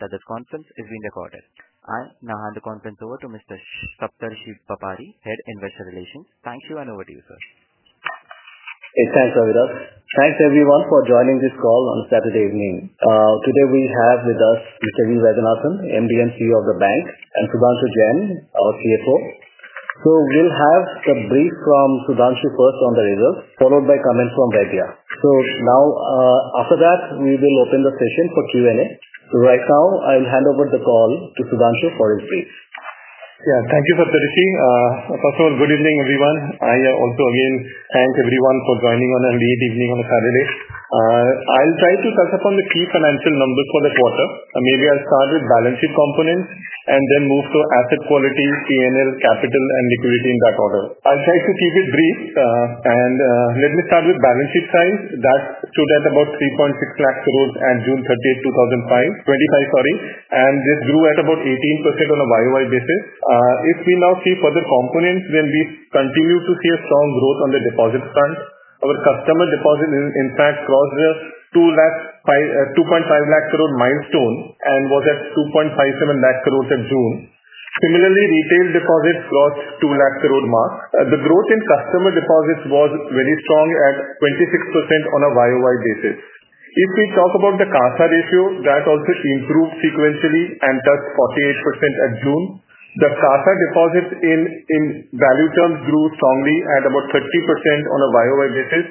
note that this conference is being recorded. I now hand the conference over to Mr. Shaptarshiv Pappari, Head Investor Relations. Thank you and over to you, sir. Thanks, Avida. Thanks, everyone, for joining this call on Saturday evening. Today, we have with us Mr. Lee Vadenathan, MD and CEO of the bank and Sudanshu Jain, our CFO. So we'll have a brief from Sudanshu first on the results, followed by comments from Debya. So now after that, we will open the session for Q and A. So right now, I'll hand over the call to Sudanshu for his brief. Yes. Thank you, Patarishi. First of all, good evening, everyone. I also again thank everyone for joining on our lead evening on a Saturday. I'll try to touch upon the key financial numbers for the quarter. Maybe I'll start with balance sheet components and then move to asset quality, P and L, capital and liquidity in that order. I'll try to keep it brief. And let me start with balance sheet size. That stood at about 3.6 lakh crores at June '25, sorry, and this grew at about 18% on a Y o Y basis. If we now see further components, then we continue to see a strong growth on the deposit front. Our customer deposit in fact crossed the 2.5 lakh crore milestone and was at 2.57 lakh crore at June. Similarly, retail deposits crossed INR 2 lakh crore mark. The growth in customer deposits was very strong at 26% on a Y o Y basis. If we talk about the CASA ratio, that also improved sequentially and touched 48% at June. The Tata deposits in value terms grew strongly at about 30% on a Y o Y basis.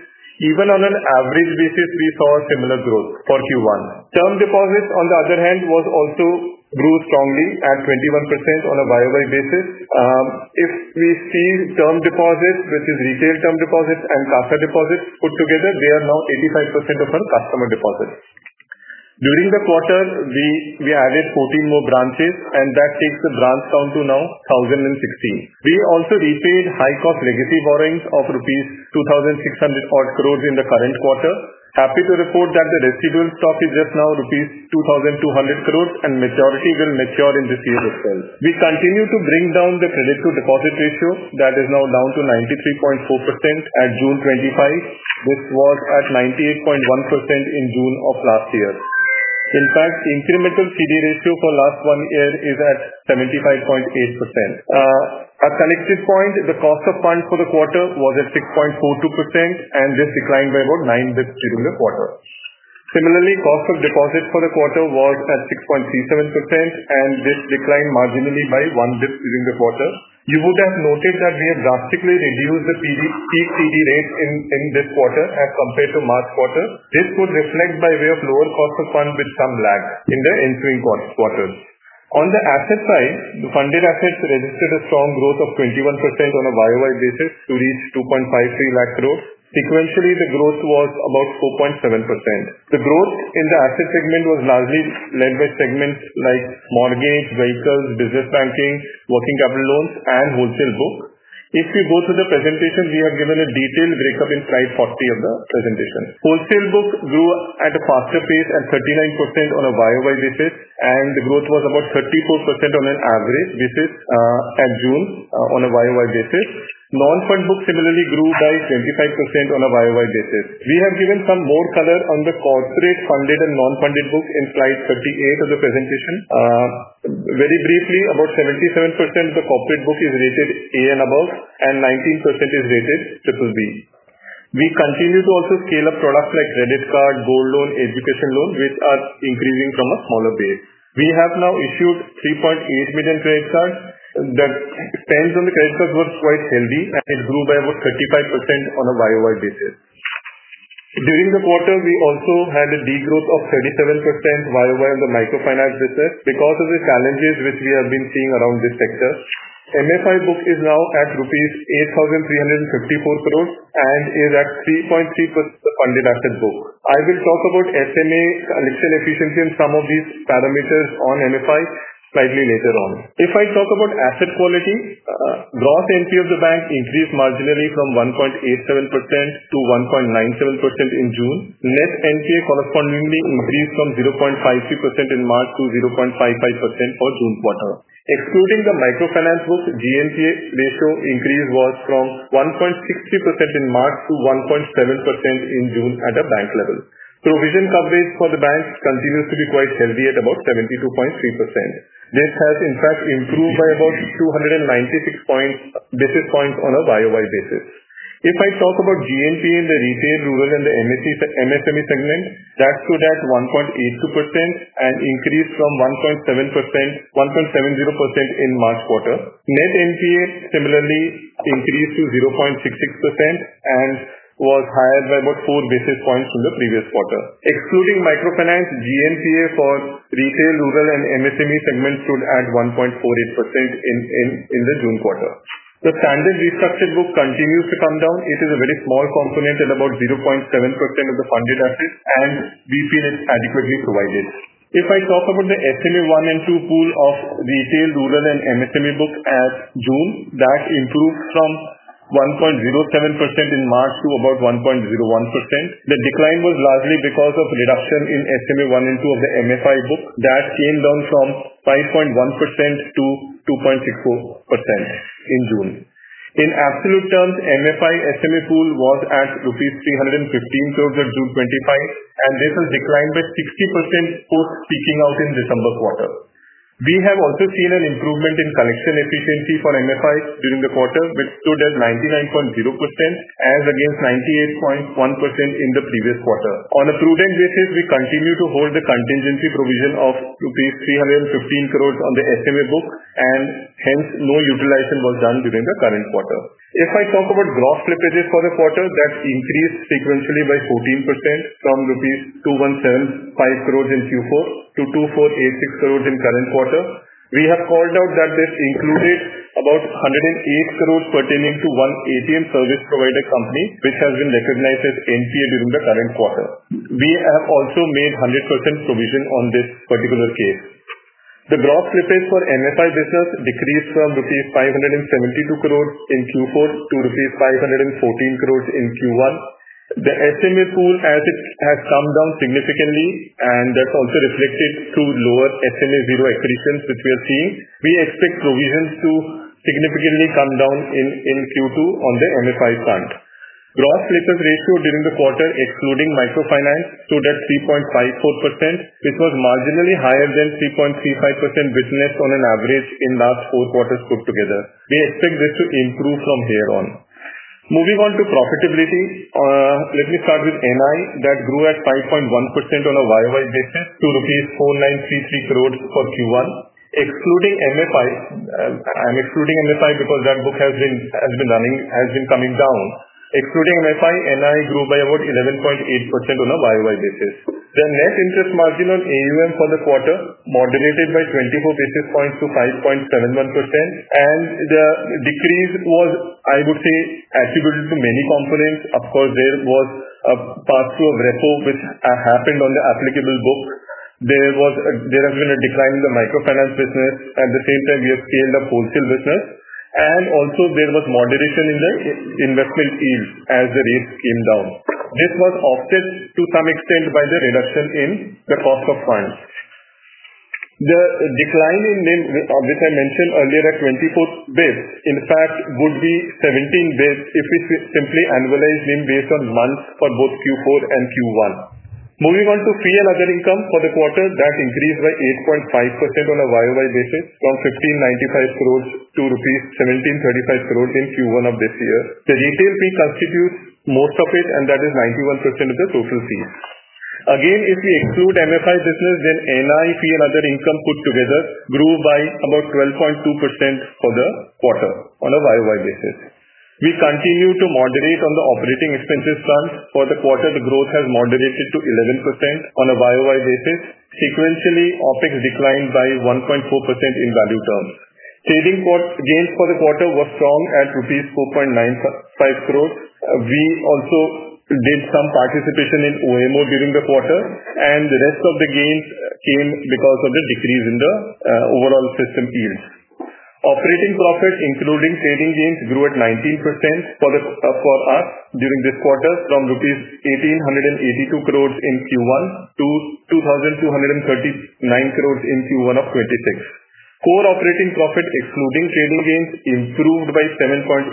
Even on an average basis, we saw similar growth for Q1. Term deposits on the other hand was also grew strongly at 21% on a Y o Y basis. If we see term deposits, which is retail term deposits and Kapha deposits put together, they are now 85% of our customer deposits. During the quarter, we added 14 more branches, and that takes the branch down to now INR $10.16. We also repaid high cost legacy borrowings of rupees 2,600 odd crores in the current quarter. Happy to report that the residual stock is just now rupees 2,200 crores and majority will mature in this year as well. We continue to bring down the credit to deposit ratio that is now down to 93.4% at June 25, which was at 98.1% in June. In fact, incremental CD ratio for last one year is at 75.8%. At connected point, the cost of funds for the quarter was at 6.42% and this declined by about nine bps during the quarter. Similarly, cost of deposit for the quarter was at 6.37% and this declined marginally by one bp during the quarter. You would have noted that we have drastically reduced the peak CD rates in this quarter as compared to March. This would reflect by way of lower cost of funds with some lag in the entering quarters. On the asset side, the funded assets registered a strong growth of 21% on a Y o Y basis to reach 2.53 lakh crores. Sequentially, the growth was about 4.7%. The growth in the asset segment was largely led by segments like mortgage, vehicles, business banking, working capital loans and wholesale book. If you go through the presentation, we have given a detailed breakup in Slide 40 of the presentation. Wholesale book grew at a faster pace at 39% on a Y o Y basis, and the growth was about 34% on an average basis at June on a Y o Y basis. Non fund book similarly grew by 25% on a Y o Y basis. We have given some more color on the corporate funded and non funded book in Slide 38 of the presentation. Very briefly, about 77% of the corporate book is rated A and above and 19% is rated BBB. We continue to also scale up products like credit card, gold loan, education loan, which are increasing from a smaller base. We have now issued 3,800,000 credit cards that depends on the credit card was quite healthy and it grew by about 35% on a Y o Y basis. During the quarter, we also had a degrowth of 37% Y o Y on the microfinance business because of the challenges which we have been seeing around this sector. MFI book is now at rupees 8,354 crores and is at 3.3% undeducted book. I will talk about SMA collection efficiency and some of these parameters on MFI slightly later on. If I talk about asset quality, gross NPA of the bank increased marginally from 1.87% to 1.97% in June. Net NPA correspondingly increased from 0.53 in March to 0.55% for June. Excluding the microfinance book, GNPA ratio increase was from 1.63% in March to 1.7% in June at the bank level. Provision coverage for the bank continues to be quite healthy at about 72.3%. This has in fact improved by about two ninety six points basis points on a Y o Y basis. If I talk about G and P in the retail, rural and the MSME segment, that stood at 1.82% and increased from 1.71.7% in March. Net NPA similarly increased to 0.66% and was higher by about four basis points from the previous quarter. Excluding microfinance, GNPA for retail, rural and MSME segment stood at 1.48 in the June. The standard restructured book continues to come down. It is a very small component at about 0.7% of the funded assets, and we feel it adequately provided. If I talk about the SME one and two pool of retail, rural and MSME book at June, that improved from 1.07% in March to about 1.01%. The decline was largely because of reduction in SME one and two of the MFI book that came down from 5.1% to 2.64% in June. In absolute terms, MFI SME pool was at INR $3.15 crores at June 25 and this has declined by 60% post peaking out in December quarter. We have also seen an improvement in collection efficiency for MFI during the quarter, which stood at 99 as against 98.1% in the previous quarter. On a prudent basis, we continue to hold the contingency provision of rupees 315 crores on the SMA book and hence no utilization was done during the current quarter. If I talk about gross slippage for the quarter, that increased sequentially by 14% from rupees 2,175 crores in Q4 to 2,486 crores in current quarter. We have called out that this included about 108 crores pertaining to one ATM service provider company, which has been recognized as NPA during the current quarter. We have also made 100% provision on this particular case. The gross profit for MFI business decreased from INR $5.72 crores in Q4 to INR $5.14 crores in Q1. The SME pool as it has come down significantly and that's also reflected through lower SMA zero accretions, which we are seeing. We expect provisions to significantly come down in Q2 on the MFI front. Gross slippage ratio during the quarter excluding Microfinance stood at 3.54%, which was marginally higher than 3.35 business on an average in last four quarters put together. We expect this to improve from here on. Moving on to profitability. Let me start with NII that grew at 5.1% on a Y o Y basis to INR 4,933 crore for Q1. Excluding MFI I'm excluding MFI because that book has been running has been coming down. Excluding MFI, NI grew by about 11.8% on a Y o Y basis. The net interest margin on AUM for the quarter moderated by 24 basis points to 5.71%. And the decrease was, I would say, attributed to many components. Of course, there was a pass through of repo, which happened on the applicable book. There was there has been a decline in the microfinance business. At the same time, we have scaled up wholesale business. And also there was moderation in the investment yield as the rates came down. This was offset to some extent by the reduction in the cost of funds. The decline in NIM, which I mentioned earlier at 24 bps, in fact, would be 17 bps if it is simply annualized NIM based on month for both Q4 and Q1. Moving on to fee and other income for the quarter, that increased by 8.5% on a Y o Y basis from INR $15.95 crores to INR $17.35 crores in Q1 of this year. The retail fee constitutes most of it and that is 91% of the total fees. Again, if we exclude MFI business, then NII fee and other income put together grew by about 12.2% for the quarter on a Y o Y basis. We continue to moderate on the operating expenses front. For the quarter, the growth has moderated to 11% on a Y o Y basis. Sequentially, OpEx declined by 1.4% in value terms. Trading gains for the quarter was strong at INR 4.95 crores. We also did some participation in OMO during the quarter and the rest of the gains came because of the decrease in the overall system yields. Operating profit, including trading gains grew at 19% for us during this quarter from INR $18.82 crores in Q1 to 2,239 crores in Q1 of 'twenty six. Core operating profit excluding trading gains improved by 7.8%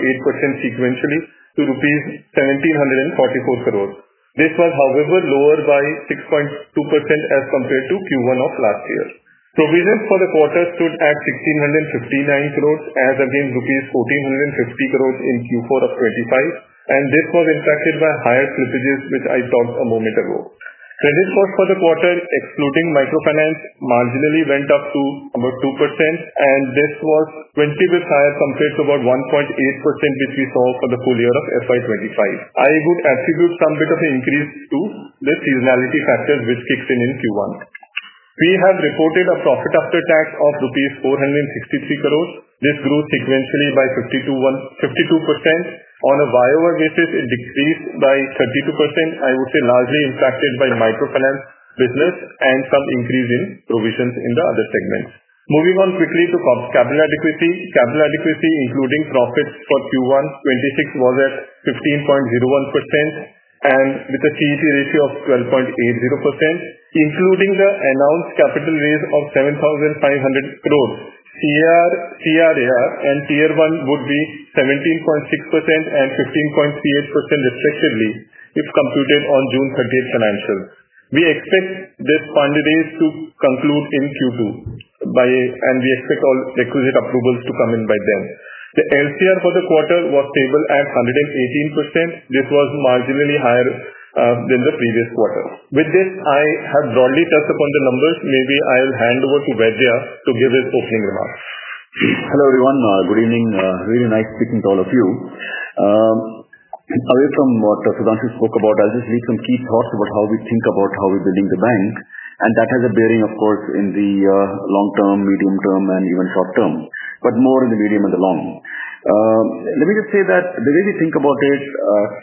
sequentially to INR $17.44 crores. This was however lower by 6.2% as compared to Q1 of last year. Provision for the quarter stood at INR $16.59 crores as again INR $14.50 crores in Q4 of twenty five, and this was impacted by higher scripages, which I talked a moment ago. Credit score for the quarter, excluding microfinance, marginally went up to about 2% and this was 20 bps higher compared to about 1.8% which we saw for the full year of FY 'twenty five. I would attribute some bit of an increase to the seasonality factors which kicks in, in Q1. We have reported a profit after tax of INR $4.63 crores. This grew sequentially by 52%. On a Y o Y basis, it decreased by 32%, I would say largely impacted by microfinance business and some increase in provisions in the other segments. Moving on quickly to capital adequacy. Capital adequacy including profits for Q1 twenty six was at 15.01% and with a CET ratio of 12.8%, including the announced capital raise of 7,500 crores, CR, CR and Tier one would be 17.615.38% respectively, if completed on June 30 financial. We expect this fund raise to conclude in Q2 by and we expect all requisite approvals to come in by then. The LCR for the quarter was stable at 118%. This was marginally higher than the previous quarter. With this, I have broadly touched upon the numbers. Maybe I'll hand over to Vaidya to give his opening remarks. Hello, everyone. Good evening. Really nice speaking to all of you. Away from what Prudhanshu spoke about, I'll just read some key thoughts about how we think about how we're building the bank. And that has a bearing, of course, in the long term, medium term and even short term, but more in the medium and the long. Let me just say that the way we think about it,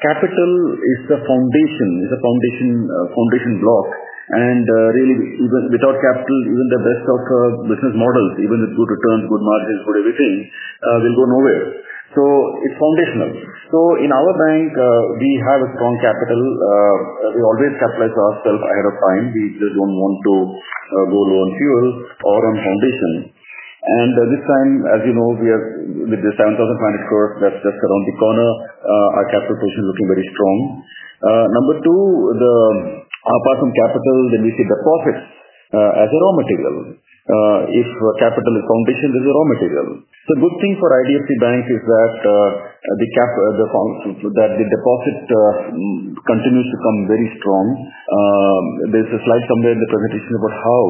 capital is the foundation, is a foundation block. And really, even without capital, even the best of business models, even with good returns, good margins, good everything will go nowhere. So it's foundational. So in our bank, we have a strong capital. We always capitalize ourselves ahead of time. We just don't want to go low on fuel or on foundation. And this time, as you know, we are with the 7,500 crores, that's around the corner. Our capital position is looking very strong. Number two, apart from capital, then we see deposits as a raw material. If capital is foundation, there's a raw material. So good thing for IDFC Bank is that the capital deposit continues to come very strong. There's a slide somewhere in the presentation about how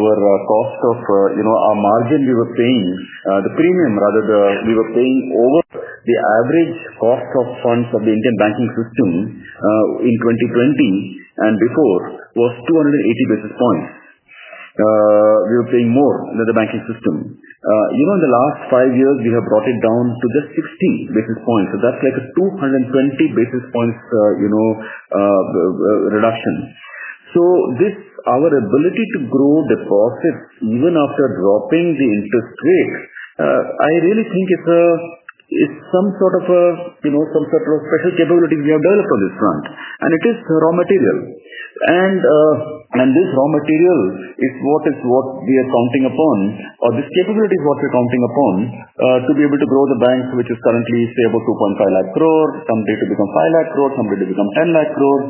our cost of our margin we were paying, the premium rather, we were paying over the average cost of funds of the Indian banking system in 2020 and before was two eighty basis points. We are paying more than the banking system. Even in the last five years, we have brought it down to just 60 basis points. So that's like a two twenty basis points reduction. So this our ability to grow deposits even after dropping the interest rate, I really think it's some sort of a some sort of special capability we have developed on this front, and it is raw material. And this raw material is what we are counting upon or this capability is what we're counting upon to be able to grow the bank, which is currently, say, about 2.5 lakh crores, someday to become 5 lakh crores, someday to become 10 lakh crores.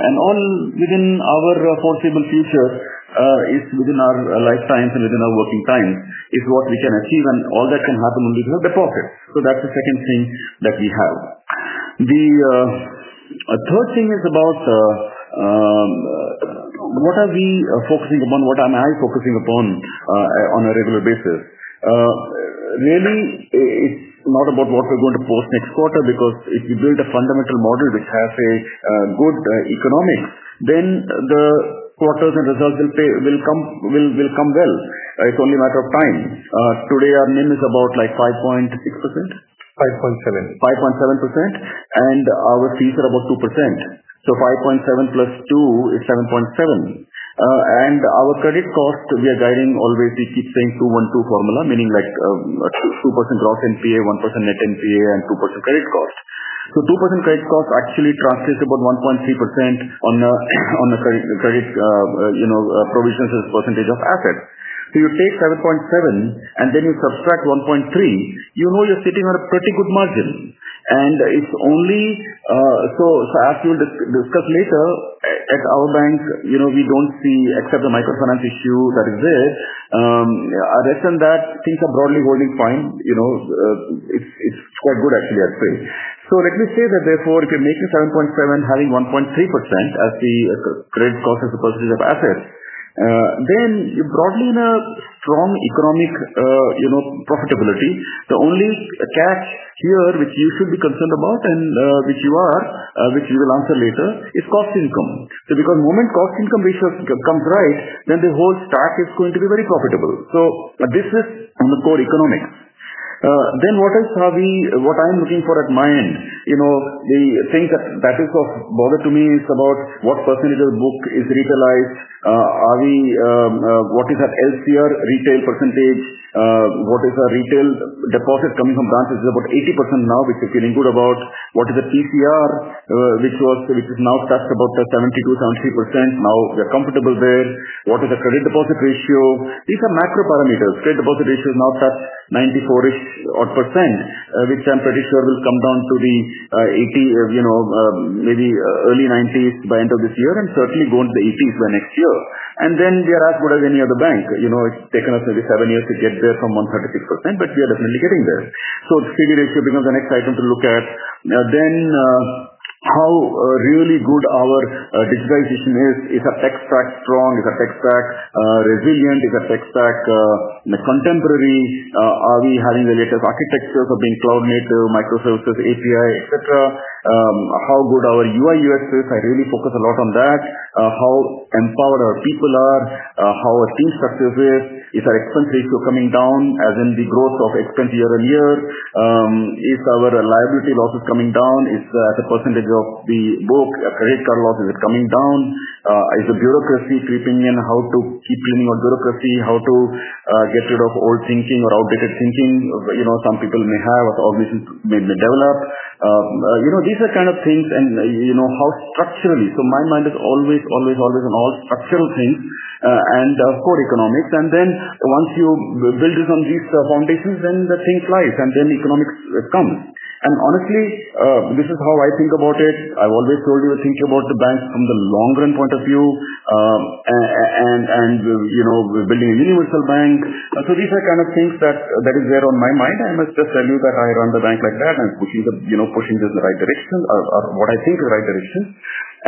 And all within our foreseeable future is within our lifetimes and within our working time is what we can achieve, and all that can happen only with our deposits. So that's the second thing that we have. The third thing is about what are we focusing upon, what am I focusing upon on a regular basis. Really, it's not about what we're going to post next quarter because if you build a fundamental model, which has a good economics, then the quarters and results will come well. It's only a matter of time. Today, our NIM is about like 5.6%. 5.7%. 5.7% and our fees are about 2%. So 5.7 plus two is 7.7. And our credit cost, we are guiding always, we keep saying two one two formula, meaning like percent loss NPA, 1% net NPA and 2% credit cost. So 2% credit cost actually translates about 1.3% on the credit provisions as a percentage of assets. So you take 7.7% and then you subtract 1.3%, you know you're sitting on a pretty good margin. And it's only so as we'll discuss later, at our bank, we don't see except the microfinance issue that is there. Other than that, things are broadly holding fine. It's quite good actually, I'd say. Let me say that, therefore, if you're making 7.7% having 1.3% as the credit cost as a percentage of assets, then broadly in a strong economic profitability, the only cash here, which you should be concerned about and which you are, which we will answer later is cost income. So because moment cost income ratio comes right, then the whole stack is going to be very profitable. So this is on the core economics. Then what else are we what I'm looking for at my end? The thing that is of bother to me is about what percentage of book is retailized. Are we what is that LCR retail percentage? What is our retail deposit coming from branches? It's about 80% now, which we're feeling good about. What is the TCR, which was which is now touched about 72%, 73%, now we're comfortable there. What is the credit deposit ratio? These are macro parameters. Credit deposit ratio is now such 94 ish odd percent, which I'm pretty sure will come down to the 80 maybe early 90s by end of this year and certainly go into the 80s by next year. And then we are as good as any other bank. It's taken us maybe seven years to get there from 130%, but we are definitely getting there. So the CD ratio becomes the next item to look at. Then how really good our digitalization is, is FX track strong, is FX track resilient, is FX track contemporary, are we having the latest architectures of being cloud native, microservices, API, etcetera? How good our UIUX is, I really focus a lot on that. How empowered our people are, how our team structures is, if our expense ratio coming down as in the growth of expense year on year, if our liability loss is coming down, if as a percentage of the book, credit card losses are coming down, is the bureaucracy creeping in, how to keep cleaning our bureaucracy, how to get rid of old thinking or outdated thinking. Some people may have, but all this is maybe developed. These are kind of things and how structurally. So my mind is always, always, always on all structural things and core economics. And then once you build it on these foundations, then the things lies and then economics come. And honestly, this is how I think about it. I've always told you to think about the banks from the long run point of view and building a universal bank. So these are kind of things that is there on my mind. I must just tell you that I run the bank like that and pushing this in the right direction or what I think the right direction.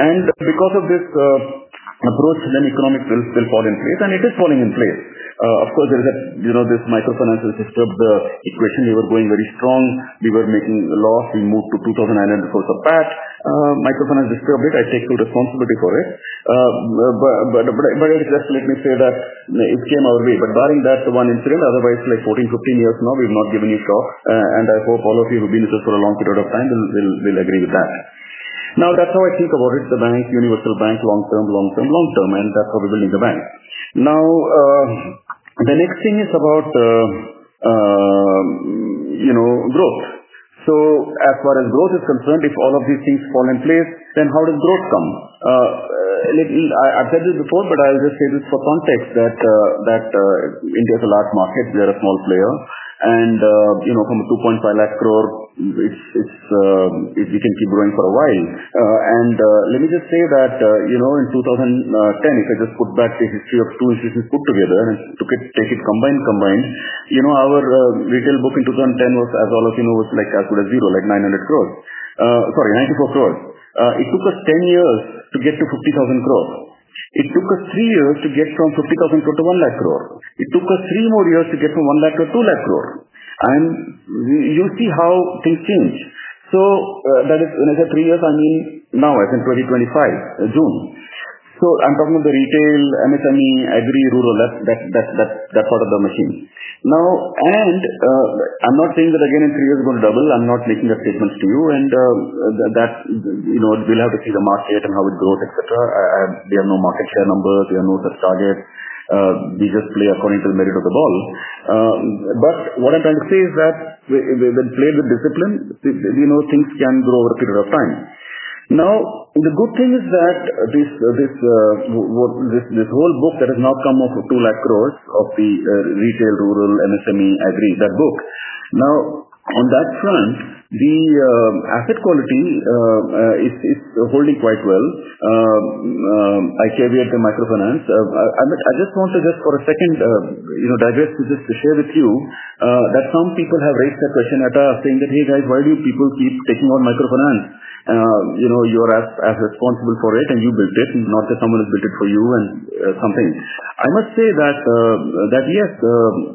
And because of this approach, then economics will fall in place, and it is falling in place. Of course, this microfinance has disturbed the equation. We were going very strong. We were making a loss. We moved to 2,900 crores of VAT. Microfinance disturbed it. I take full responsibility for But just let me say that it came our way. But barring that one incident, otherwise, like fourteen, fifteen years now, we've not given you talk. And therefore, all of you have been with us for a long period of time, we'll agree with that. Now that's how I think about it, the bank, universal bank, long term, long term, long term, and that's how we're building the bank. Now the next thing is about growth. So as far as growth is concerned, if all of these things fall in place, then how does growth come? Let me I've said this before, but I'll just say this for context that India is a large market. We are a small player. And from 2.5 lakh crore, it's we can keep growing for a while. And let me just say that in 2010, if I just put back the history of two instances put together and take it combined, Our retail book in 2010 was as all of you know was like as good as zero, like 900 crores sorry, 94 crores. It took us ten years to get to 500000 crores. It took us three years to get from 500000 crores to 1 lakh crore. It took us three more years to get from 1 lakh crore to 2 lakh crore. And you see how things change. So that is another three years, I mean, now as in twenty twenty five, June. So I'm talking about the retail, MSME, agri, rural, part of the machine. Now and I'm not saying that again in three years, it's going to double. I'm not making the statements to you. And that's we'll have to see the market and how it grows, etcetera. We have no market share numbers. We have no such target. We just play according to the merit of the ball. But what I'm trying to say is that we play with discipline, things can grow over a period of time. Now the good thing is that this whole book has now come off of 2 lakh crores of the retail, rural, MSME, agri, that book. Now on that front, the asset quality is holding quite well. I caveat the microfinance. Amit, I just want to just for a second, digest to just share with you that some people have raised their question at us saying that, hey, guys, why do people keep taking on microfinance? You're as responsible for it and you build it, not that someone has built it for you and something. I must say that, yes,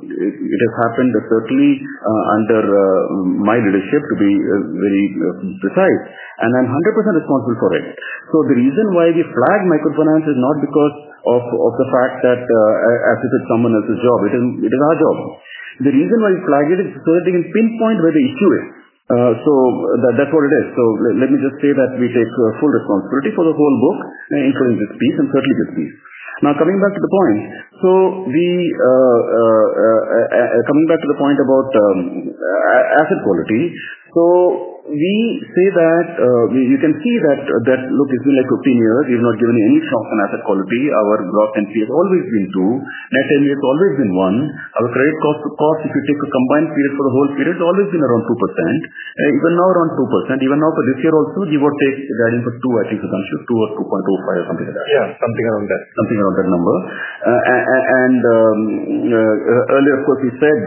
it has happened certainly under my leadership to be very precise. And I'm 100% responsible for it. So the reason why we flag microfinance is not because of of the fact that as if it's someone else's job. It is it is our job. The reason why we flag it is so that we can pinpoint where the issue is. So that's what it is. So let me just say that we take full responsibility for the whole book, including this piece and certainly this piece. Now coming back to the point. So we coming back to the point about asset quality. So we say that you can see that, look, it's been like fifteen years. We've not given any shock in asset quality. Our growth in fee has always been two. Net ten year has always been one. Our credit cost to cost, if you take a combined period for the whole period, it's always been around 2%. Even now around 2%, even now for this year also, we would take the guidance for 2%, I think, assumption, two or 2.25% or something like that. Yes, something around that. Something around that number. And earlier, of course, we said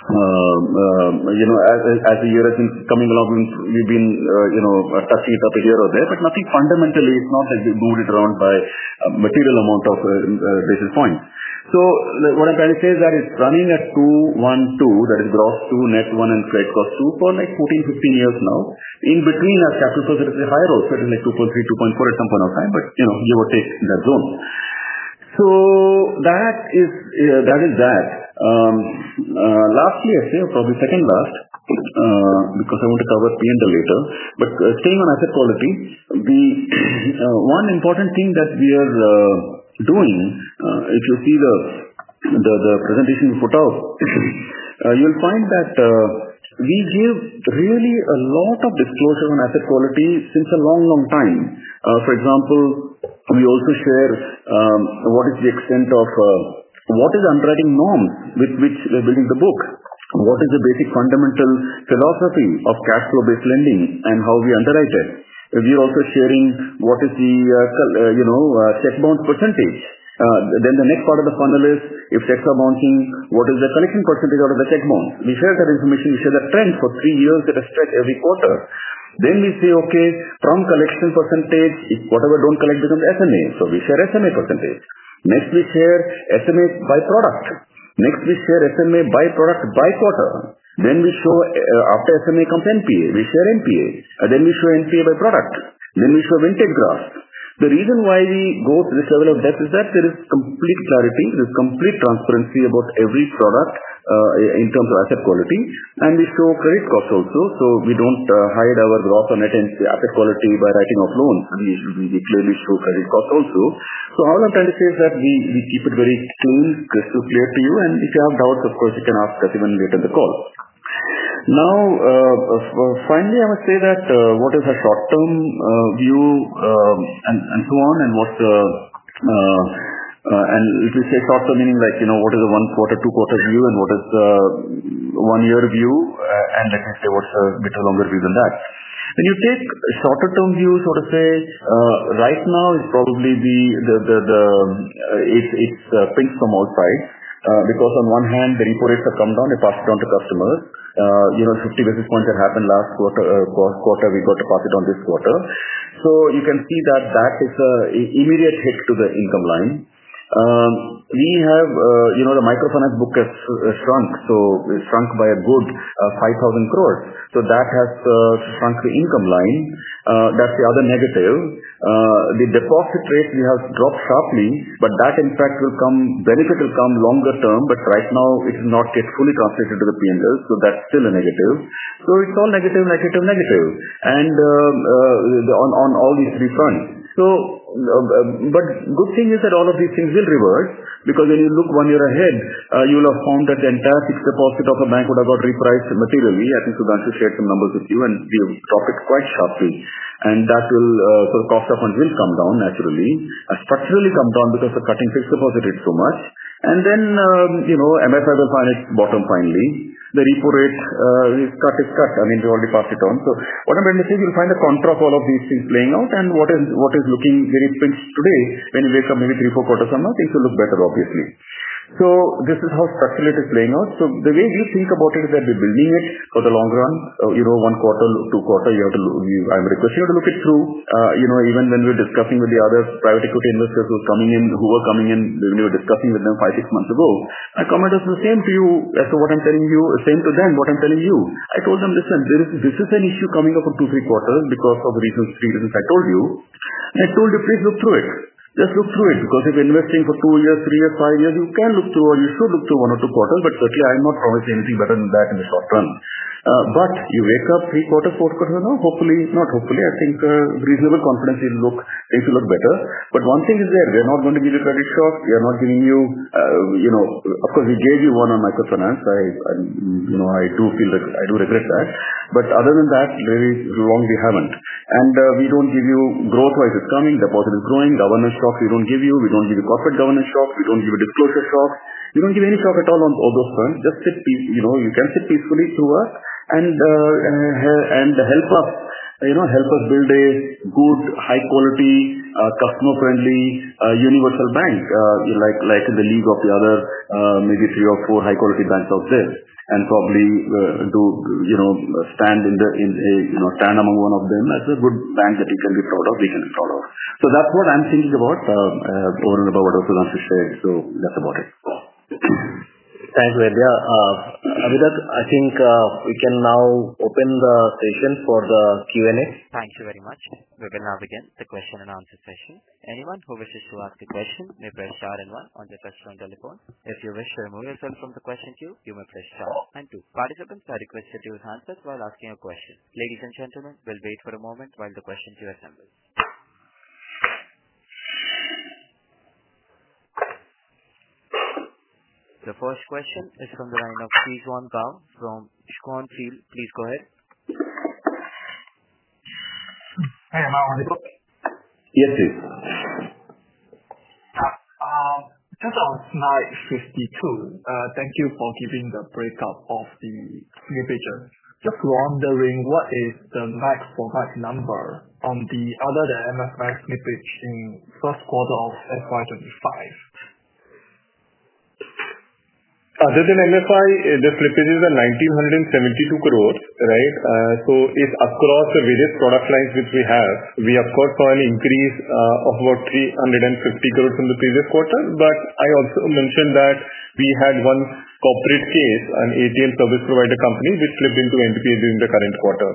as the year has been coming along, we've been touching it up a year or there, but nothing fundamentally. It's not like we moved it around by a material amount of basis points. So what I'm trying to say is that it's running at 2.2%, that is gross to net one and credit cost 2% for like fourteen, fifteen years now. In between, our capital position is higher also, it's like 2.3%, 2.4 at some point of time, but give or take in that zone. So that is that. Last year, I'd say, probably second last because I want to cover P and L later. But staying on asset quality, the one important thing that we are doing, if you see the presentation put out, you'll find that we give really a lot of disclosure on asset quality since a long, long time. For example, we also share what is the extent of what is underwriting norm with which they're building the book, what is the basic fundamental philosophy of cash flow based lending and how we underwrite it. We're also sharing what is the check bond percentage. Then the next part of the funnel is if that's a mounting, what is the collection percentage out of the check bond. We share that information. We share that trend for three years that are stretched every quarter. Then we say, okay, from collection percentage, whatever don't collect becomes SMA. So we share SMA percentage. Next, we share SMA by product. Next, we share SMA by product by quarter. Then we show after SMA comes NPA, we share NPA. And then we show NPA by product. Then we show Vintage graph. The reason why we go to this level of debt is that there is complete clarity, there's complete transparency about every product in terms of asset quality and we show credit cost also. So we don't hide our gross on net asset quality by writing of loans. We clearly show credit cost also. So all I'm trying to say is that we keep it very clean, crystal clear to you. And if you have doubts, of course, you can ask us even later in the call. Now finally, I would say that what is our short term view and so on and what's the and if you say short term meaning like what is the one quarter, two quarter view and what is the one year view and let me say what's a bit longer view than that. When you take shorter term view, sort of say, right now, it's probably the it's things from outside because on one hand, the repo rates have come down, they pass it on to customers. 50 basis points have happened last quarter, we got to pass it on this quarter. So you can see that, that is an immediate hit to the income line. We have the Microfinance book has shrunk, so it shrunk by a good 5,000 crores. So that has shrunk the income line. That's the other negative. The deposit rate, we have dropped sharply, but that, in fact, will come benefit will come longer term. But right now, it's not yet fully translated to the P and L. So that's still a negative. So it's all negative, negative, negative and on all these three fronts. So but good thing is that all of these things will reverse because when you look one year ahead, you will have found that the entire fixed deposit of a bank would have got repriced materially. I think Sudhanshu shared some numbers with you and we have dropped it quite sharply. And that will so the cost of funds will come down naturally, structurally come down because of cutting fixed deposit rates so much. And then MSR will find its bottom finally. The repo rate is cut, is cut. I mean, they already passed it on. So what I'm trying to say, you'll find a contra of all of these things playing out and what is looking very pinched today, when you're coming in three, four quarters or not, things will look better, obviously. So this is how structural is playing out. So the way we think about it is that we're building it for the long run. One quarter, two quarter, you have to I would request you to look it through even when we're discussing with the other private equity investors who are coming in, we were discussing with them five, six months ago. I commented the same to you as to what I'm telling you same to them, what I'm telling you. I told them, listen. This is this is an issue coming up for two, three quarters because of reasons three reasons I told you. And I told you, please look through it. Just look through it because if you're investing for two years, three years, five years, you can look through or you should look through one or two quarters, but certainly, I'm not promising anything better than that in the short run. But you wake up three quarters, four quarters now, hopefully, not hopefully, I think reasonable confidence will look things will look better. But one thing is that we are not going to give you credit shock. We are not giving you of course, we gave you one on microfinance. Do feel that I do regret that. But other than that, very long we haven't. And we don't give you growth wise is coming. Deposit is growing. Governance shock, don't give you. We don't give you corporate governance shock. We don't give you disclosure shock. We don't give any shock at all on all those fronts. Just sit you can sit peacefully to us and help us build a good, high quality, customer friendly, universal bank, in the league of the other, maybe three or four high quality banks out there and probably do stand among one of them as a good bank that you can be proud of, we can be proud of. So that's what I'm thinking about over and above what I was going to say. So that's about it. Thanks, Vedya. Abidat, I think we can now open the session for the q and a. Thank you very much. We will now begin the question and answer session. Session. And The first question is from the line of Siswan Gao from Schwanfield. Go ahead. Just on slide 52, thank you for giving the breakout of the maybe just wondering what is the max for max number on the other than MFI slippage in first quarter of FY twenty five. Other than MFI, the slippage is $19.72 crores, right? So it's across the various product lines which we have. We, of course, saw an increase of about INR $3.50 crores from the previous quarter, but I also mentioned that we had one corporate case, an ATM service provider company, which slipped into NPA during the current quarter.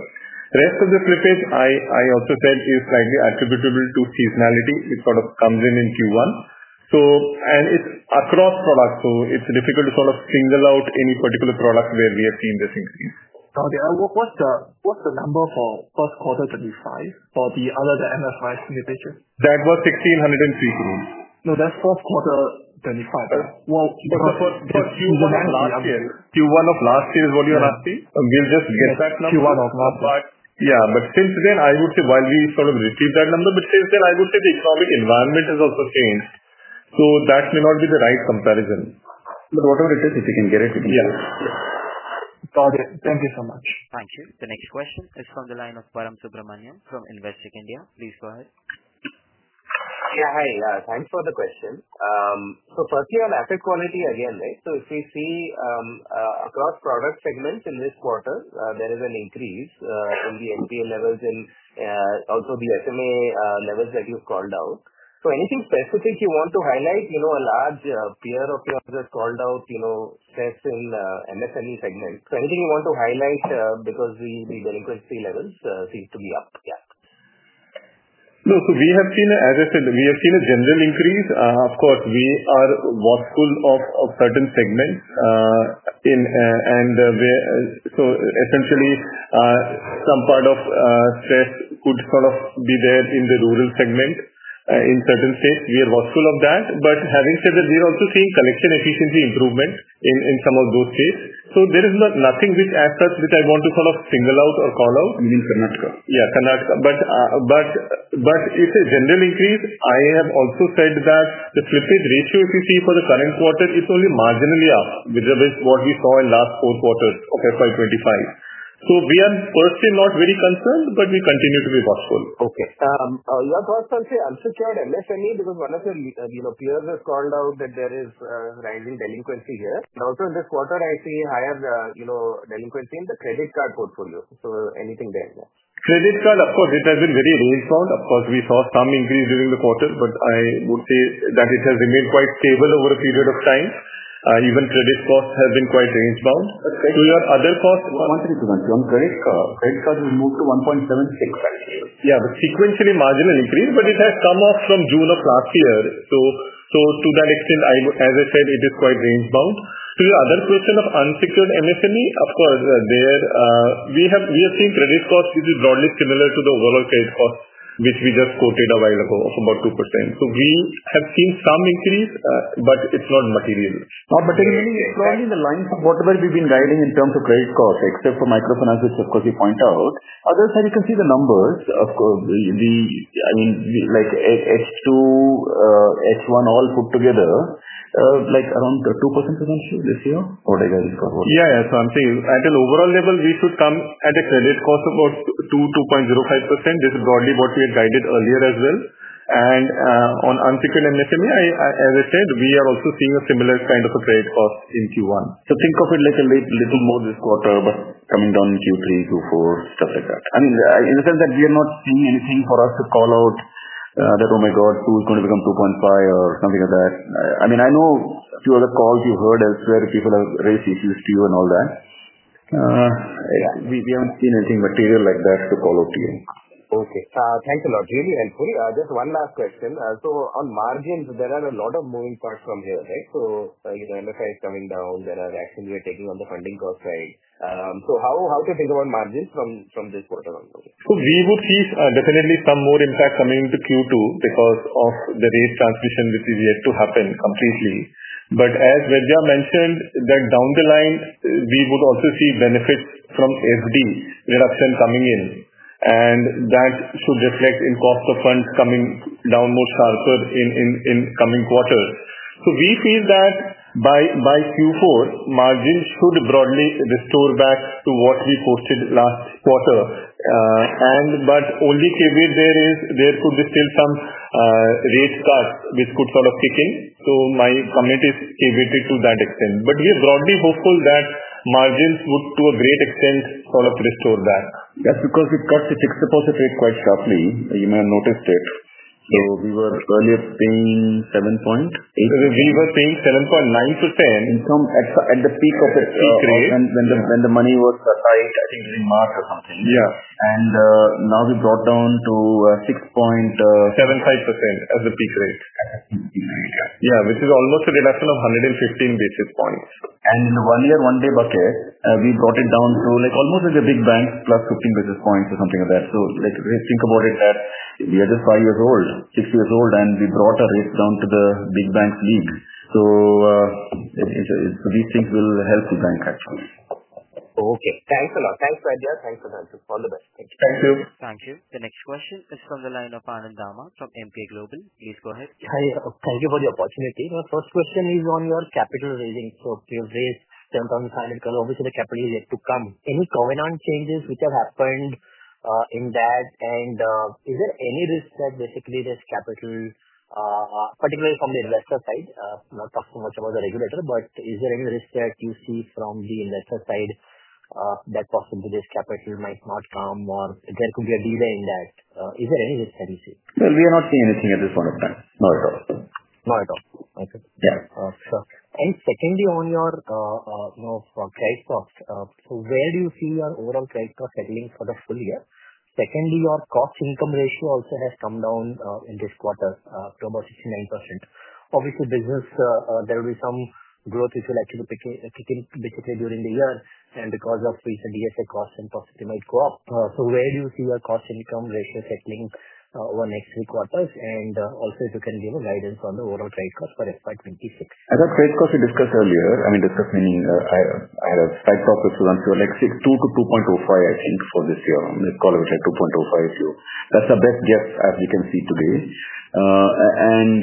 Rest of the slippage, I also said, is slightly attributable to seasonality. It sort of comes in, in Q1. So and it's across products, so it's difficult to sort of single out any particular product where we have seen this increase. Okay. And what's the what's the number for first quarter twenty five for the other the MFI signature? That was 1,603. No. That's fourth quarter twenty five. Well, can't But for q one of last year q one of last year is what you're asking. We'll just get that number. But But since then, I would say while we sort of receive that number, but since then, I would say the economic environment has also changed. So that may not be the right comparison. But whatever it is, if you can get it, it will Yes. Got it. Thank you so much. Thank you. The next question is from the line of Param Subramaniam from Investec India. Please go ahead. Yeah. Hi. Thanks for the question. So firstly, on asset quality again. Right? So if we see across product segments in this quarter, there is an increase from the NPA levels and also the SME levels that you've called out. So anything specific you want to highlight? You know, a large peer of your peers called out, you know, steps in MSME segment. So anything you want to highlight because the the delinquency levels seems to be up. Yeah. No. So we have seen as I said, we have seen a general increase. Of course, we are watchful of certain segments. And so essentially, some part of stress could sort of be there in the rural segment in certain states. We are watchful of that. But having said that, we are also seeing collection efficiency improvement in some of those states. So there is nothing which as such, which I want to single out or call out. You mean Karnataka. Yes, Karnataka. But it's a general increase. I have also said that the slippage ratio, if you see for the current quarter, is only marginally up with what we saw in last four quarters of FY 'twenty five. So we are firstly not very concerned, but we continue to be thoughtful. Okay. Your concern, say unsecured and SME because one of your, you know, peers have called out that there is rising delinquency here. And also in this quarter, I see higher, you know, delinquency in the credit card portfolio. So anything there? Credit card, of course, it has been very range bound. Of course, we saw some increase during the quarter, but I would say that it has remained quite stable over a period of time. Even credit cost has been quite range bound. To your other cost $1.03 $2.09. On credit credit card, we moved to 1.76% last year. Yes, the sequentially marginal increase, but it has come off from June. So to that extent, as I said, it is quite range bound. To your other question of unsecured MSME, of course, there we have seen credit cost, which is broadly similar to the overall credit cost, which we just quoted a while ago of about 2%. So we have seen some increase, but it's not material. But clearly, it's probably in the lines of whatever we've been guiding in terms of credit cost, except for microfinance, of course, you point out. Other side, you can see the numbers. Of course, I mean, like H2, H1 all put together, like around 2% this year, what I guided for? Yes. Yes. So I'm saying, at an overall level, we should come at a credit cost of about 2%, 2.05%. This is broadly what we had guided earlier as well. And on unsecured and SME, as I said, we are also seeing a similar kind of a credit cost in Q1. So think of it like a little more this quarter, but coming down in Q3, Q4, stuff like that. I mean, in the sense that we are not seeing anything for us to call out that, oh my god, who is going become 2.5 or something like that? I mean, I know a few other calls you heard as where people have raised issues to you and all that. We we haven't seen anything material like that to call out to you. Okay. Thanks a lot. Really, Puri, just one last question. So on margins, there are a lot of moving parts from here. Right? So, like, the enterprise coming down, there are actions we are taking on the funding cost side. So how to think about margins from this quarter also? So we would see definitely some more impact coming into Q2 because of the rate transmission, which is yet to happen completely. But as Vedya mentioned that down the line, we would also see benefits from SD reduction coming in. And that should reflect in cost of funds coming down more sharper in coming quarters. So we feel that by Q4, margin should broadly restore back to what we posted last quarter. And but only caveat there is there could be still some rate cuts, which could sort of kick in. So my comment is caveat to that extent. But we are broadly hopeful that margins would, to a great extent, sort of restore that. Yes, because we've got the fixed deposit rate quite sharply. You may have noticed it. So we were earlier paying 7.8%. We were paying 7.9% to percent. Some at the at the peak of the peak rate when when the when the money was tight, I think, in March or something. Yeah. And now we brought down to 6.75% as the peak rate. Yeah. Which is almost a reduction of 115 basis points. And in the one year, one day bucket, we brought it down to like almost as a big bank, plus 15 basis points or something like that. So let's think about it that we are just five years old, six years old, and we brought our rates down to the big banks league. So these things will help the bank actually. Thanks a lot. Thanks, Rajya. Thanks for the answers. All the best. Thank you. Thank you. The next question is from the line of Anand Dhama from MK Global. Please go ahead. Hi. Thank you for the opportunity. My first question is on your capital raising. You raised them from the final call obviously the capital is yet to come. Any covenant changes which have happened in that? And is there any risk that basically this capital, particularly from the investor side, not talking much about the regulator, but is there any risk that you see from the investor side that possibly this capital might not come or there could be a delay in that? Is there any risk that you see? Well, we are not seeing anything at this point of time. Not at all. Not at all. Okay. Yeah. Sure. And secondly, on your, you know, credit cost, so where do you see your overall credit cost settling for the full year? Secondly, your cost income ratio also has come down in this quarter to about 69%. Obviously, business, there will be some growth which will actually picking picking basically during the year and because of recent ESA cost and possibly might go up. So where do you see your cost income ratio settling over next three quarters? And also, if you can give a guidance on the overall trade cost for FY '26. As of trade cost, we discussed earlier I mean, this is mainly I I had a slight profit to run through, like, six two to two point o five, I think, for this year. On the call, we said 2.05. That's the best guess as we can see today. And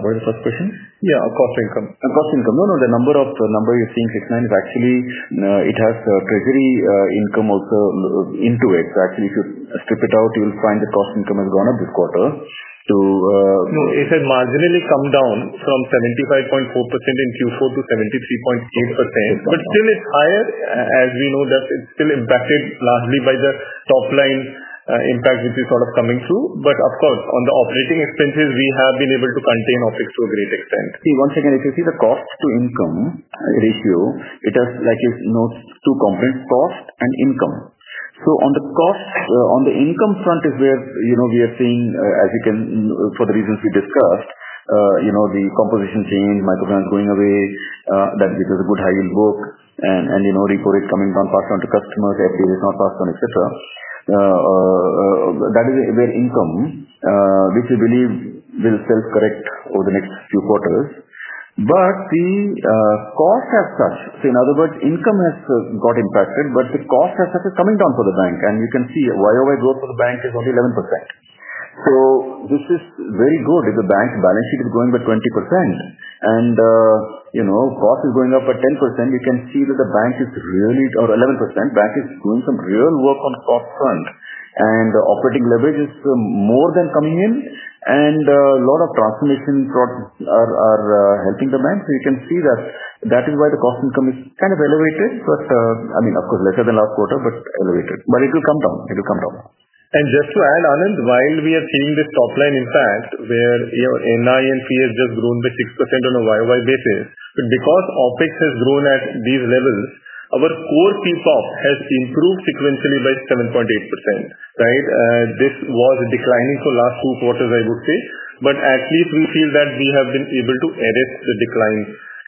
what is the first question? Yes, cost income. Cost income. No, no, the number of number you're seeing, 6.9%, is actually it has treasury income also into it. So actually, if you strip it out, you'll find the cost income has gone up this quarter. So No. It has marginally come down from 75.4% in Q4 to 73.8%. But still, it's higher. As we know that it's still impacted largely by the top line impact, which is sort of coming through. But of course, on the operating expenses, we have been able to contain OpEx to a great extent. See, once again, if you see the cost to income ratio, it does like it notes two components, cost and income. So on the cost on the income front is where we are seeing, as you can for the reasons we discussed, the composition change, micro brands going away, that this is a good high yield book and repo rate coming from passed on to customers, FDA is not passed on, etcetera. That is where income, which we believe will self correct over the next few quarters. But the cost as such, so in other words, income has got impacted, but the cost as such is coming down for the bank. And you can see Y o Y growth for the bank is only 11%. So this is very good that the bank balance sheet is growing by 20%. And cost is going up by 10%. You can see that the bank is really or 11%, bank is doing some real work on cost front. And operating leverage is more than coming in. And a lot of transformation are helping demand. So you can see that, that is why the cost income is kind of elevated, but I mean, of course, lesser than last quarter, but elevated. But it will come down. It will come down. And just to add, Anand, while we are seeing this top line impact where NI and fee has just grown by 6% on a Y o Y basis, but because OpEx has grown at these levels, our core PFOP has improved sequentially by 7.8%, right? This was declining for last two quarters, I would say. But at least we feel that we have been able to edit the decline,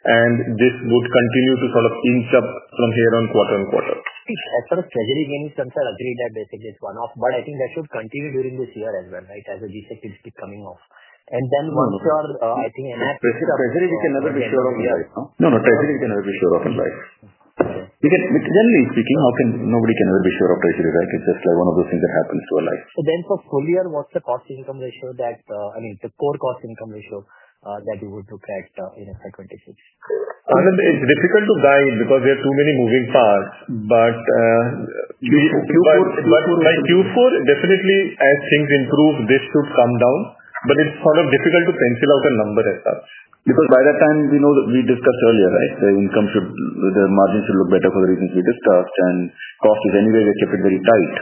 and this would continue to sort of inch up from here on quarter on quarter. As for the treasury gains, I'm sorry, agree that basically it's one off, but I think that should continue during this year as well, right, as a defect will be coming off. And then once you are I think that's Pressure pressure, we can never be sure of the right now. No. No. Pressure, can never be sure of in life. You can generally speaking, how can nobody can ever be sure of pressure. Right? It's just like one of those things that happens to a life. So then for full year, what's the cost income ratio that I mean, the core cost income ratio that you would look at in FY '26? It's difficult to guide because there are too many moving parts. But but but by q four, definitely, as things improve, this should come down. But it's sort of difficult to pencil out a number as such. Because by that time, we know that we discussed earlier. Right? The income should the margins should look better for the reasons we discussed, and cost is anyway, they keep it very tight.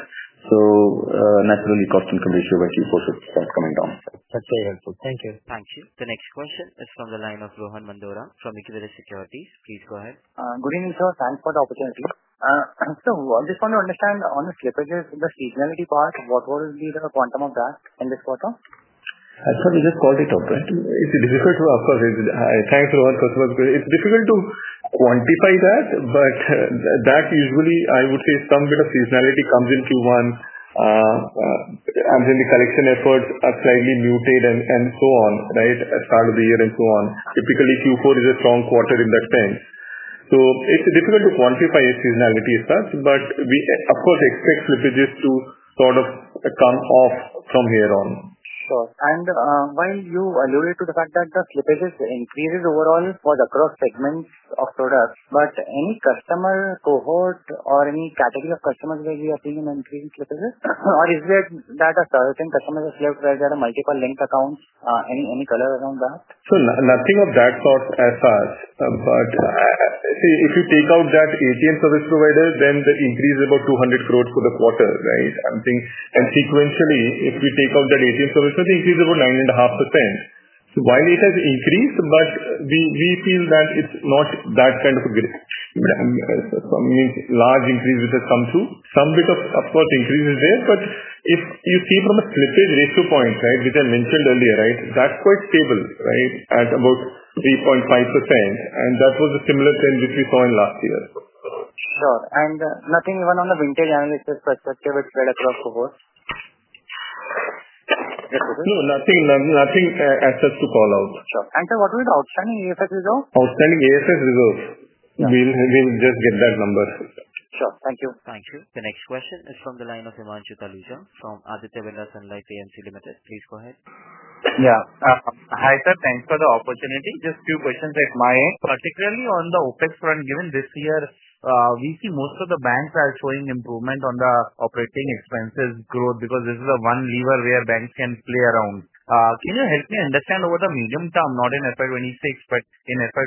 So, naturally, cost and commission by q four should start coming down. That's very helpful. Thank you. Thank you. The next question is from the line of Rohan Mandora from Securities. Please go ahead. Good evening, Thanks for the opportunity. So I just want to understand on the slippages, the seasonality part, what will be the quantum of that in this quarter? Sir, we just called it up, right? It's difficult to of course, it's difficult to quantify that, but that usually, I would say, some bit of seasonality comes in Q1 and then the collection efforts are slightly muted and so on, right, at the start of the year and so on. Typically, Q4 is a strong quarter in that sense. So it's difficult to quantify seasonality as such, but we, of course, expect slippages to sort of come off from here on. Sure. And while you alluded to the fact that the slippages increases overall for the cross segments of products, but any customer cohort or any category of customers where we are seeing an increase in slippages? Or is there that a certain customer has left where there are multiple linked accounts? Any any color around that? Sir, nothing of that sort as such. But see, if you take out that ATM service provider, then the increase is about 200 crores for the quarter. Right? I think. And sequentially, if we take out that ATM services, it is about 9.5%. So while it has increased, but we feel that it's not that kind of a bit. I mean, large increase which has come through, some bit of, of course, increase is there. But if you see from a slippage ratio point, right, which I mentioned earlier, right, that's quite stable, right, at about 3.5%, and that was a similar trend which we saw in last year. Sure. And nothing even on the vintage analysis perspective, it's well across cohort? No. Nothing nothing access to call out. Sure. And sir, what was the outstanding ESS result? Outstanding ESS result. We'll we'll just get that number. Thank you. Thank you. The next question is from the line of Himanshu Kaluja from Aditya Venas and Life AMC Limited. Please go ahead. Yeah. Hi, sir. Thanks for the opportunity. Just few questions at my end, particularly on the OpEx front, given this year, we see most of the banks are showing improvement on the operating expenses growth because this is the one lever where banks can play around. Can you help me understand over the medium term, not in FY '26, but in FY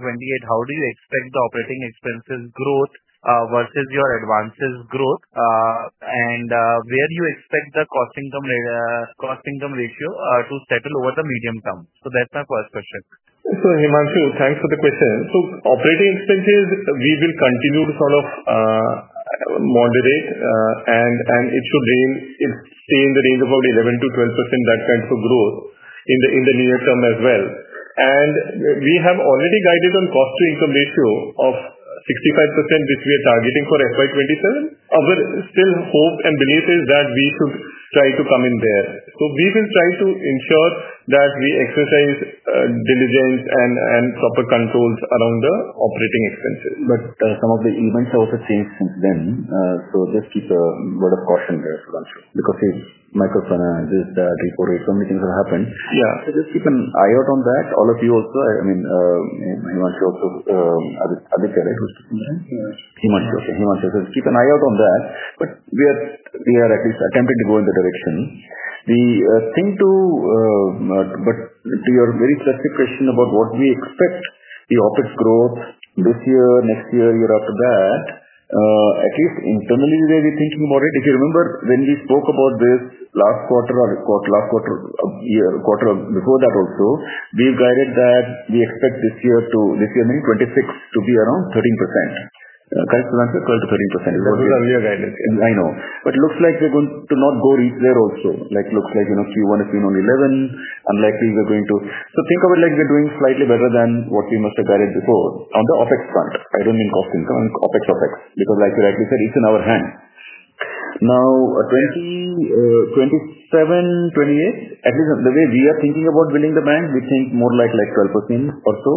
2728, how do you expect the operating expenses growth versus your advances growth? And where do you cost income ratio to settle over the medium term? So that's my first question. So, Himanshu, thanks for the question. So operating expenses, we will continue to sort of moderate, and it should in the range of about 11% to 12% that kind of growth in near term as well. And we have already guided on cost to income ratio of 65%, which we are targeting for FY 'twenty seven. Our still hope and belief is that we should try to come in there. So we will try to ensure that we exercise diligence and proper controls around the operating expenses. But some of the events are also changed since then. So just keep a word of caution there, Kancho, because it's microfinance. This the reformation meetings will happen. Yeah. So just keep an eye out on that. All of you also I mean, wants to also I would I say that he was. Keep an eye out on that. But we are at least attempting to go in the direction. The thing to but to your very specific question about what we expect the OpEx growth this year, next year, year after that, at least internally, we may be thinking about it. If you remember, when we spoke about this last quarter or last quarter of year, quarter of before that also, we've guided that we expect this year to this year, I mean, 26% to be around 13%. Karsten Lansi, 12 to 13%. That's we have guided. I know. But it looks like we're going to not go replay also. Like it looks like Q1 has been on 11%, unlikely we're going to so think of it like we're doing slightly better than what we must have guided before on the OpEx front. I don't mean cost income. OpEx, OpEx, because, like, like you said, it's in our hand. Now 2027, '28, at least the way we are thinking about building the bank, we think more like, like, 12% or so.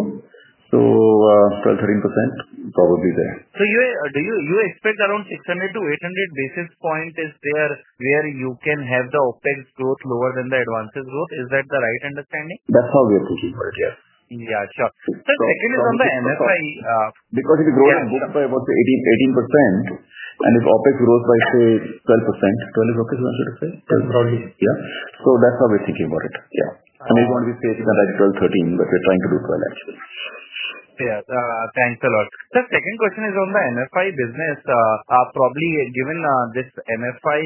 So 13%, probably there. So you do you you expect around 600 to 800 basis point is there where you can have the OpEx growth lower than the advances growth? Is that the right understanding? That's how we are thinking about it. Yeah. Yeah. Sure. So second is on the MSI Because if you go and go up by about the 1818%, and if OpEx grows by, say, 12%, 12%, I should say. 12 probably. Yeah. So that's how we're thinking about it. Yeah. I mean, what we're facing is twelve, thirteen, but we're trying to do 12, actually. Sir, second question is on the NFI business. Probably given this NFI,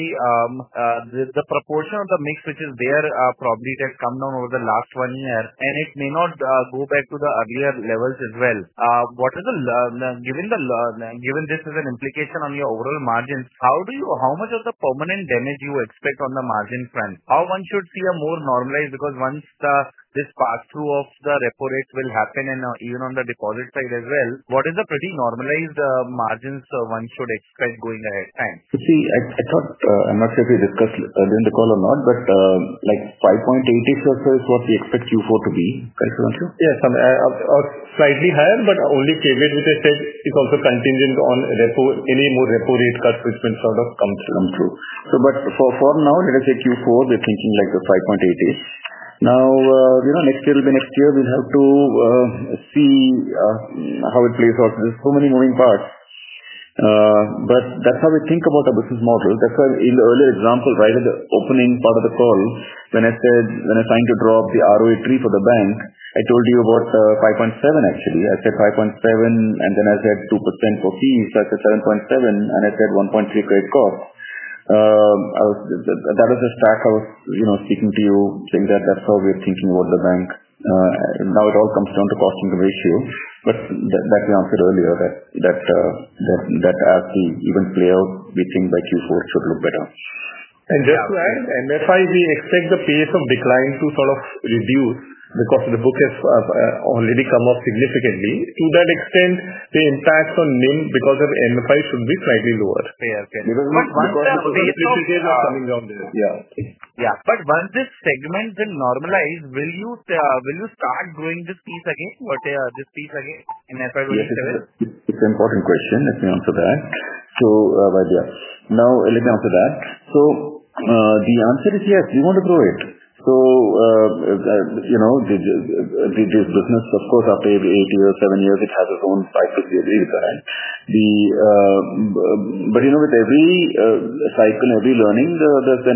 the proportion of the mix, which is there probably has come down over the one year, and it may not go back to the earlier levels as well. What is the given the given this is an implication on your overall margins, how do you how much of the permanent damage do you expect on the margin front? How one should see a more normalized because once this pass through of the report rate will happen and even on the deposit side as well, what is the pretty normalized margins one should expect going ahead? Thanks. See, I I thought I'm not sure if we discussed during the call or not, but, like, 5.8 ish or so is what we expect Q4 to be, correct, Arun? Yes. Slightly higher, but only caveat, which I said, is also contingent on repo any more repo rate cuts, which will sort of come through. So but for now, let us say, Q4, we're thinking like the 5.8 ish. Now next year will be next year, we'll have to see how it plays out. There's so many moving parts. But that's how we think about our business model. That's why in the earlier example, right, at the opening part of the call, when I said when I'm trying to draw up the ROE three for the bank, I told you about 5.7% actually. I said 5.7% and then I said 2% for fees, that's a 7.7% and I said 1.3% credit cost. That was a stack speaking to you saying that that's how we're thinking about the bank. Now it all comes down to cost into ratio. But that we answered earlier that as we even play out, we think by Q4 should look better. And just to add, and that's why we expect the pace of decline to sort of reduce because the book has already come off significantly. To that extent, the impact on NIM because of NFI should be slightly lower. Because we have have lot lot coming down there. Yeah. But once this segment will normalize, will you will you start doing this piece again? What this piece again in FY twenty seven? It's important question. Let me answer that. So, Rajya, now let me answer that. So the answer is yes, we want to grow it. So this business, of course, after every eight years, seven years, it has its own cycle. Agree with that. The but with every cycle and every learning,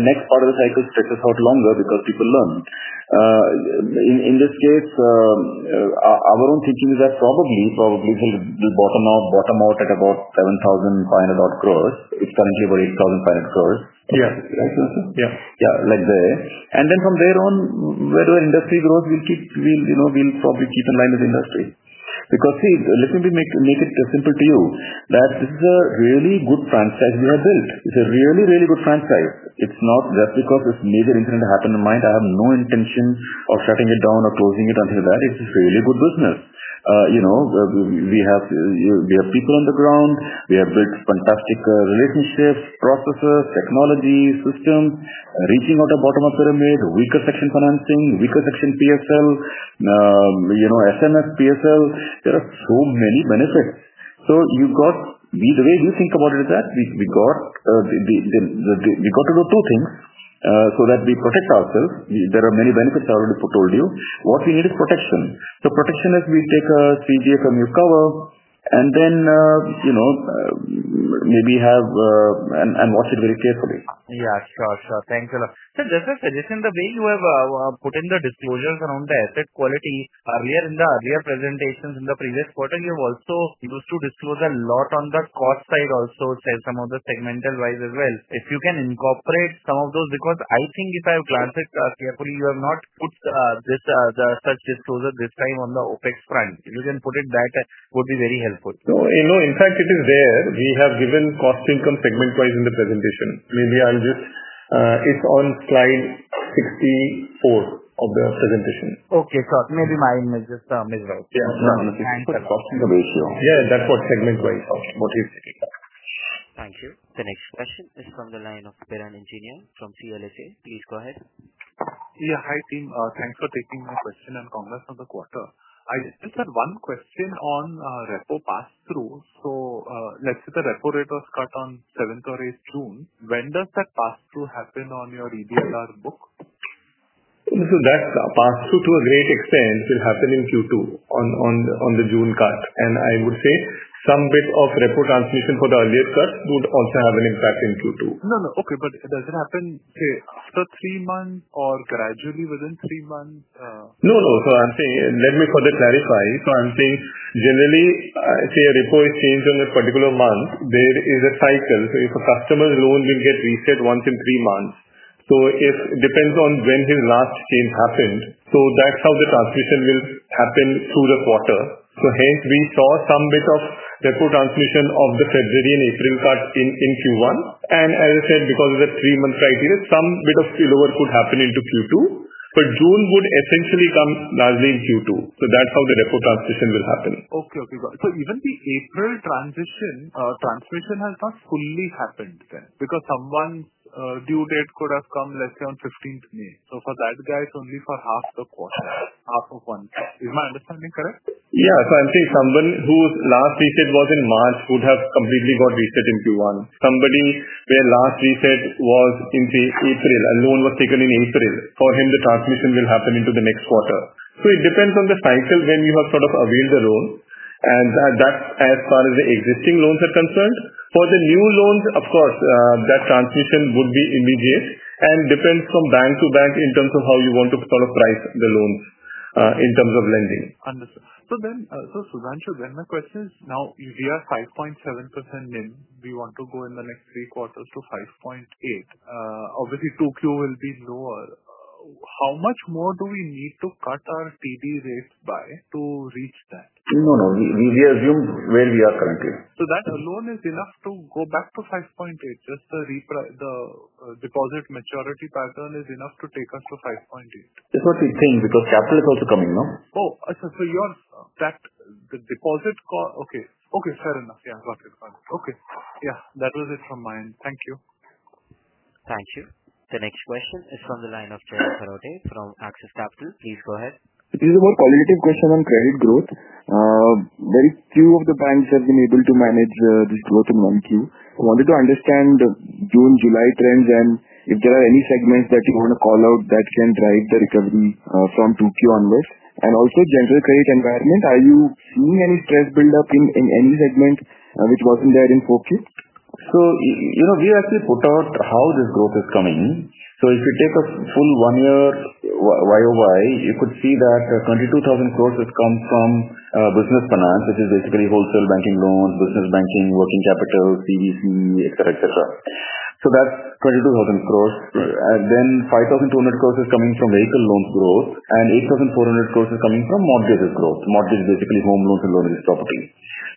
next part of the cycle stretches out longer because people learn. In this case, our own thinking is that probably, probably the bottom out at about 7,000 100 odd crores. It's currently about 8,000 100 crores. Right, sir? Yes. Yes. Like there. And then from there on, whether industry growth will keep we'll probably keep in line with the industry. Because, see, let me make it simple to you that this is a really good franchise we have built. It's a really, really good franchise. It's not just because this major incident happened in mind. I have no intention of shutting it down or closing it until that. It's a really good business. We have people on the ground. We have built fantastic relationships, processes, technology, systems, reaching out the bottom of pyramid, weaker section financing, weaker section PSL, SMS, PSL, there are so many benefits. So you've got the way you think about it is that we got to do two things so that we protect ourselves. There are many benefits already told you. What we need is protection. So protection is we take a CGM cover and then, you know, maybe have and and watch it very carefully. Yeah. Sure. Sure. Thanks a lot. Sir, just a suggestion, the way you have put in the disclosures around the asset quality, earlier in the earlier presentations in the previous quarter, you also used to disclose a lot on the cost side also, say, some of the segmental wise as well. If you can incorporate some of those because I think if I have glance it carefully, you have not put this the such disclosure this time on the OpEx front. If you can put it back, it would be very helpful. No. No. In fact, it is there. We have given cost income segment wise in the presentation. Maybe I'll just from CLSA. Please go ahead. Yeah. Hi, team. Thanks for taking my question and congrats on the quarter. I just had one question on repo pass through. So let's say the repo rate was cut on seventh or eighth June, when does that pass through happen on your EBSR book? So that pass through to a great extent will happen in q two on on on the June cut. And I would say some bit of repo transmission for the earlier cut would also have an impact in q two. No. No. Okay. But does it happen, say, after three months or gradually within three months? No. No. So I'm saying let me further clarify. So I'm saying, generally, say, a report is changed in a particular month. There is a cycle. So if a customer loan will get reset once in three months. So it depends on when his last change happened. So that's how the transmission will happen through the quarter. So hence, we saw some bit of repo transmission of the February and April cuts in in q one. And as I said, because of the three month criteria, some bit of spillover could happen into Q2. But June would essentially come largely in Q2. So that's how the repo transition will happen. Okay. Okay. So even the April transition transmission has not fully happened then because someone due date could have come, let's say, on fifteenth May. So for that guy, it's only for half the quarter, half of one. Is my understanding correct? Yeah. So I'm saying someone whose last reset was in March would have completely got reset in q one. Somebody where last reset was in April, a loan was taken in April, for him the transmission will happen into the next quarter. So it depends on the cycle when you have sort of availed the loan and that's as far as the existing loans are concerned. For the new loans, of course, that transmission would be immediate and depends from bank to bank in terms of how you want to sort of price the loans in terms of lending. Understood. So then so, Suvanshu, then my question is now if we are 5.7% NIM, we want to go in the next three quarters to 5.8. Obviously, two q will be lower. How much more do we need to cut our TD rates by to reach that? No. No. We we we assume where we are currently. So that alone is enough to go back to 5.8. Just the the deposit maturity pattern is enough to take us to 5.8. It's not the thing because capital is also coming. No? Oh, so so you're that the deposit okay. Okay. Fair enough. Yeah. Got it. Got it. Okay. Yeah. That was it from my end. Thank you. Thank you. The next question is from the line of Jay Sarote from Axis Capital. Please go ahead. It is a more qualitative question on credit growth. Very few of the banks have been able to manage this growth in one q. I wanted to understand June, July trends and if there are any segments that you wanna call out that can drive the recovery from two q onwards. And also general credit environment, are you seeing any stress buildup in any segment which wasn't there in 4Q? So we actually put out how this growth is coming. So if you take a full one year Y o Y, you could see that 22000 crores has come from business finance, which is basically wholesale banking loans, business banking, working capital, CVC, etcetera, etcetera. So that's 22000 crores. And then 5200 crores is coming from vehicle loans growth and 8400 crores is coming from mortgages growth. Mortgage is basically home loans and loan in this property.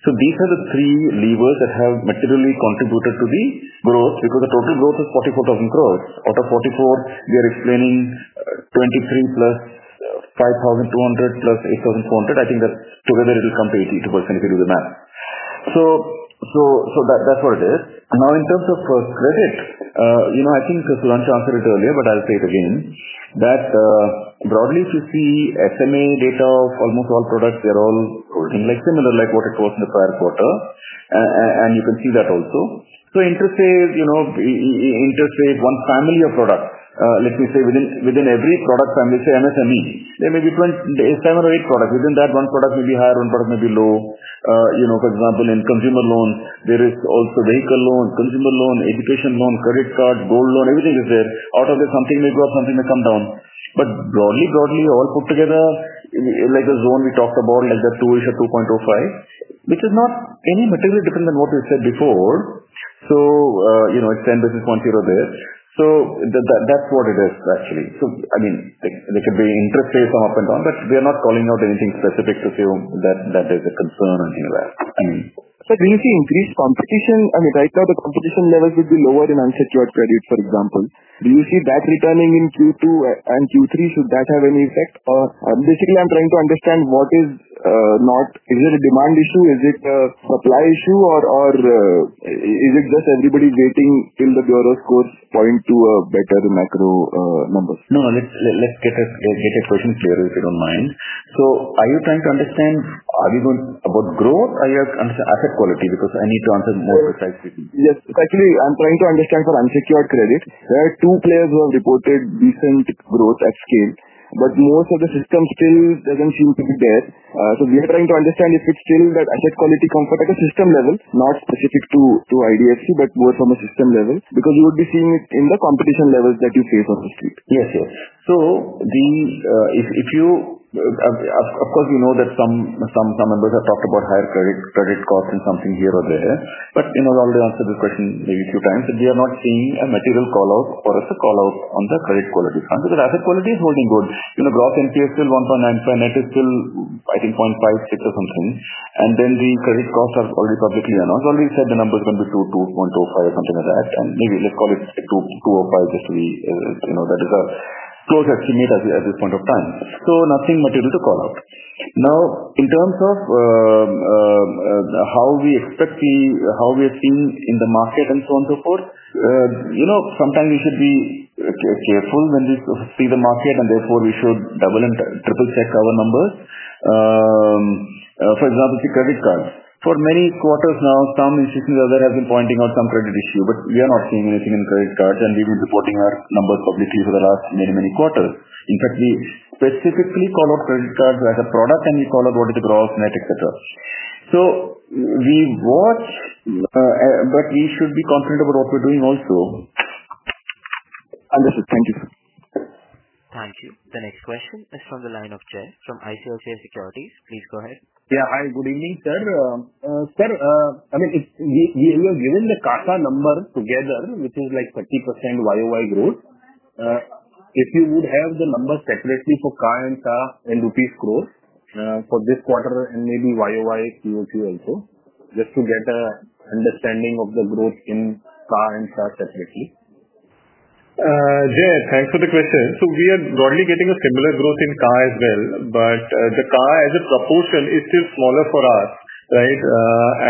So these are the three levers that have materially contributed to the growth because the total growth is 44000 crores. Out of 44000 crores, we are explaining 23000 plus 5200 crores plus 8400 I think that together, it will come to 80 crores, if you do the math. So that's what it is. Now in terms of credit, I think Suraj answered it earlier, but I'll say it again, that broadly if you see SMA data of almost all products, they're all quoting like similar like what it was in the prior quarter. And you can see that also. So interest rate, one family of products, let me say, within every product family, say, MSME, there may be seven or eight products. Within that, one product will be higher, one product may be low. For example, in consumer loans, there is also vehicle loan, consumer loan, education loan, credit card, gold loan, everything is there. Out of this, something may go up, something may come down. But broadly, broadly, all put together, like the zone we talked about, like the two ish or 2.05, which is not any materially different than what we said before. So it's 10 basis points there. So that's what it is, actually. So I mean, they could be interest based on up and down, but we are not calling out anything specific to assume that there's a concern in that. Sir, do you see increased competition? I mean, right now, the competition level could be lower than unsecured credit, for example. Do you see that returning in q two and q three? Should that have any effect? Or, basically, I'm trying to understand what is not is it a demand issue? Is it a supply issue? Or or is it just everybody waiting till the bureau scores point to a better macro numbers? No. No. Let's let's get a get a question clear, if you don't mind. So are you trying to understand are you going about growth? Are you asking asset quality? Because I need to answer more precisely. Yes. Actually, I'm trying to understand for unsecured credit. There are two players who have reported decent growth at scale, but most of the system still doesn't seem to be there. So we are trying to understand if it's still that asset quality comfort at the system level, not specific to to IDFC, but more from a system level because you would be seeing it in the competition levels that you face on the street. Yes, yes. So the if you of course, you know that some members have talked about higher credit cost and something here or there. But I already answered this question maybe a few times, and we are not seeing a material call out or as a call out on the credit quality front. Because asset quality is holding good. Gross NPL is still 1.95%, net is still, I think, point 56% or something. And then the credit costs are already publicly announced. Already said the number is going to 2.05% or something like that. And maybe let's call it 2.5 just to be that is a close estimate at this point of time. So nothing material to call out. Now in terms of how we expect the how we are seeing in the market and so on and so forth, sometimes we should be careful when we see the market, and therefore, we should double and triple check our numbers. For example, the credit cards. For many quarters now, some institutions have been pointing out some credit issue, but we are not seeing anything in credit cards, and we've been reporting our numbers publicly for the last many, many quarters. In fact, we specifically call out credit cards as a product, and we call out what is the gross net, etcetera. So we watch, but we should be confident about what we're doing also. Understood. Thank you. Thank you. The next question is from the line of Jay from ICLP Securities. Please go ahead. Yeah. Hi. Good evening, sir. Sir, I mean, if we we you're giving the Kata number together, which is, like, 30% Y o Y growth. If you would have the number separately for car and car in rupees crores for this quarter and maybe Y o Y Q o Q also, just to get an understanding of the growth in car and car separately? Jay, thanks for the question. So we are broadly getting a similar growth in car as well. But the car as a proportion is still smaller for us, right?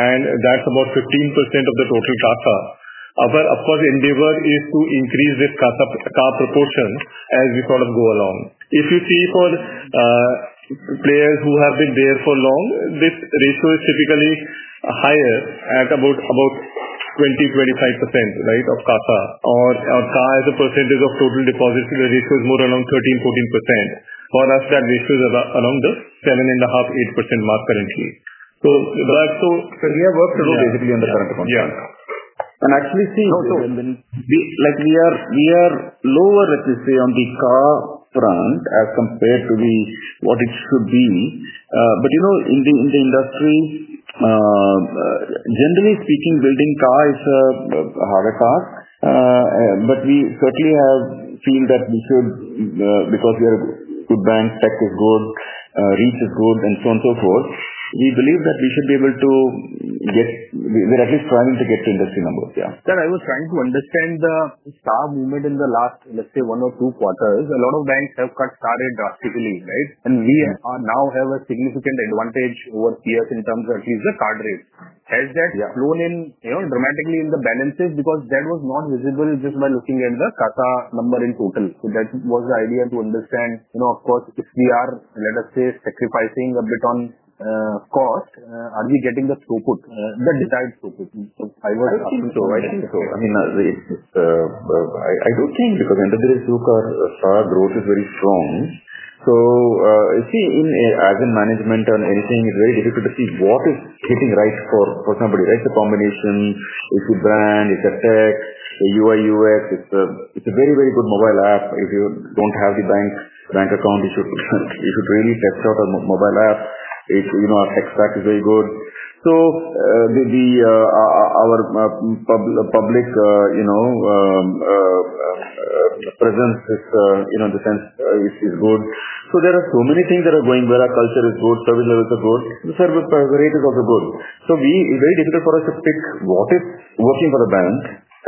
And that's about 15% of the total charter. But of course, endeavor is to increase this Kapha proportion as we sort of go along. If you see for players who have been there for long, this ratio is typically higher at about 25%, right, of Kapha or or Kapha as a percentage of total deposits, the ratio is more around 14%. For us, that ratio is around the seven and a half, 8% mark currently. So, Raj, so So we have work to do basically on the current account. And actually, see, like we are lower, let's just say, on the car front as compared to the what it should be. But in the industry, generally speaking, building car is a harder car. But we certainly have feel that we should because we are a good bank, tech is good, reach is good and so on and so forth, We believe that we should be able to get we're least trying to get to industry numbers. Yeah. Sir, I was trying to understand the star movement in the last, let's say, one or two quarters. A lot of banks have got started drastically. Right? And we are now have a significant advantage over peers in terms of user card rates. Has that flown in, you know, dramatically in the balances? Because that was not visible just by looking at the number in total. So that was the idea to understand, you know, of course, if we are, let us say, sacrificing a bit on cost, are we getting the throughput the desired throughput? So I was asking think so. Mean, I I do think because enterprise look our growth is very strong. So, see, in a as in management and anything, it's very difficult to see what is hitting right for somebody. It's a combination. It's a brand. It's a tech. The UI, UX, it's a very, very good mobile app. If you don't have the bank account, it should really test out a mobile Our tech stack is very good. So the our public presence is in the sense is good. So there are so many things that are going where our culture is good, service levels are good. The service rate is also good. So we it's very difficult for us to pick what is working for a bank,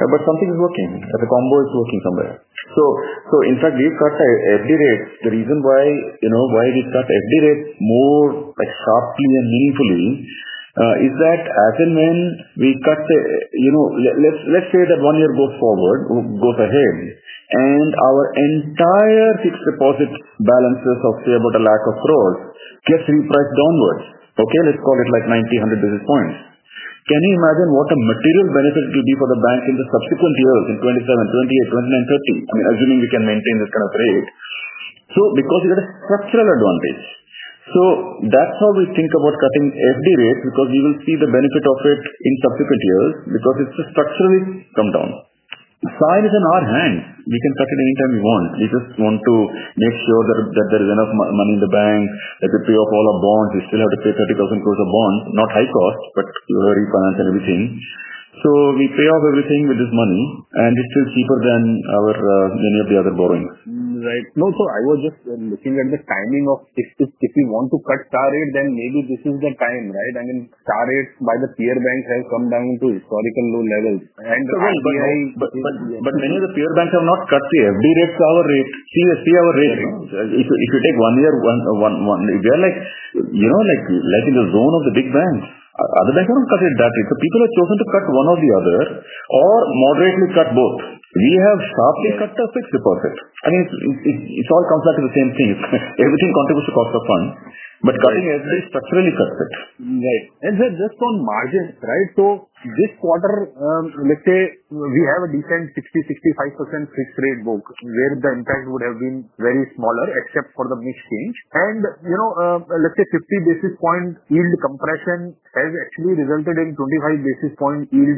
but something is working. The combo is working somewhere. So so in fact, we've got the FD rates. The reason why, why we cut FD rates more like sharply and meaningfully is that as and when we cut the let's say that one year goes forward goes ahead and our entire fixed deposit balances of, say, about a lakh of crores gets repriced downwards, okay, let's call it like 9,100 basis points. Can you imagine what a material benefit it will be for the bank in the subsequent years in 'twenty seven, 'twenty eight, 'twenty nine and 'thirty, I mean, assuming we can maintain this kind of rate? So because it is a structural advantage. So that's how we think about cutting FD rate because we will see the benefit of it in subsequent years because it's structurally come down. Size is in our hands. We can cut it anytime we want. We just want to make sure that that there is enough money in the bank, that we pay off all our bonds. We still have to pay 30,000 crores of bonds, not high cost, but we already finance everything. So we pay off everything with this money, and it's still cheaper than our many of the other borrowings. Right. No, sir. I was just looking at the timing of if if if we want to cut star rate, then maybe this is the time. Right? I mean, star rate by the peer banks has come down to historical low levels. And the But high many of the peer banks have not cut the FD rates, our rates, see our rates. If you take one year, one they are like like in the zone of the big banks, other banks haven't cut it that way. So people have chosen to cut one or the other or moderately cut both. We have sharply cut our fixed deposit. I mean it all comes back to the same thing. Contributes to cost of funds. But cutting edge is structurally cut it. Right. And then just on margins, right? So this quarter, let's say, we have a decent 65% fixed rate book where the impact would have been very smaller except for the mix change. And, you know, let's say, basis point yield compression has actually resulted in 25 basis point yield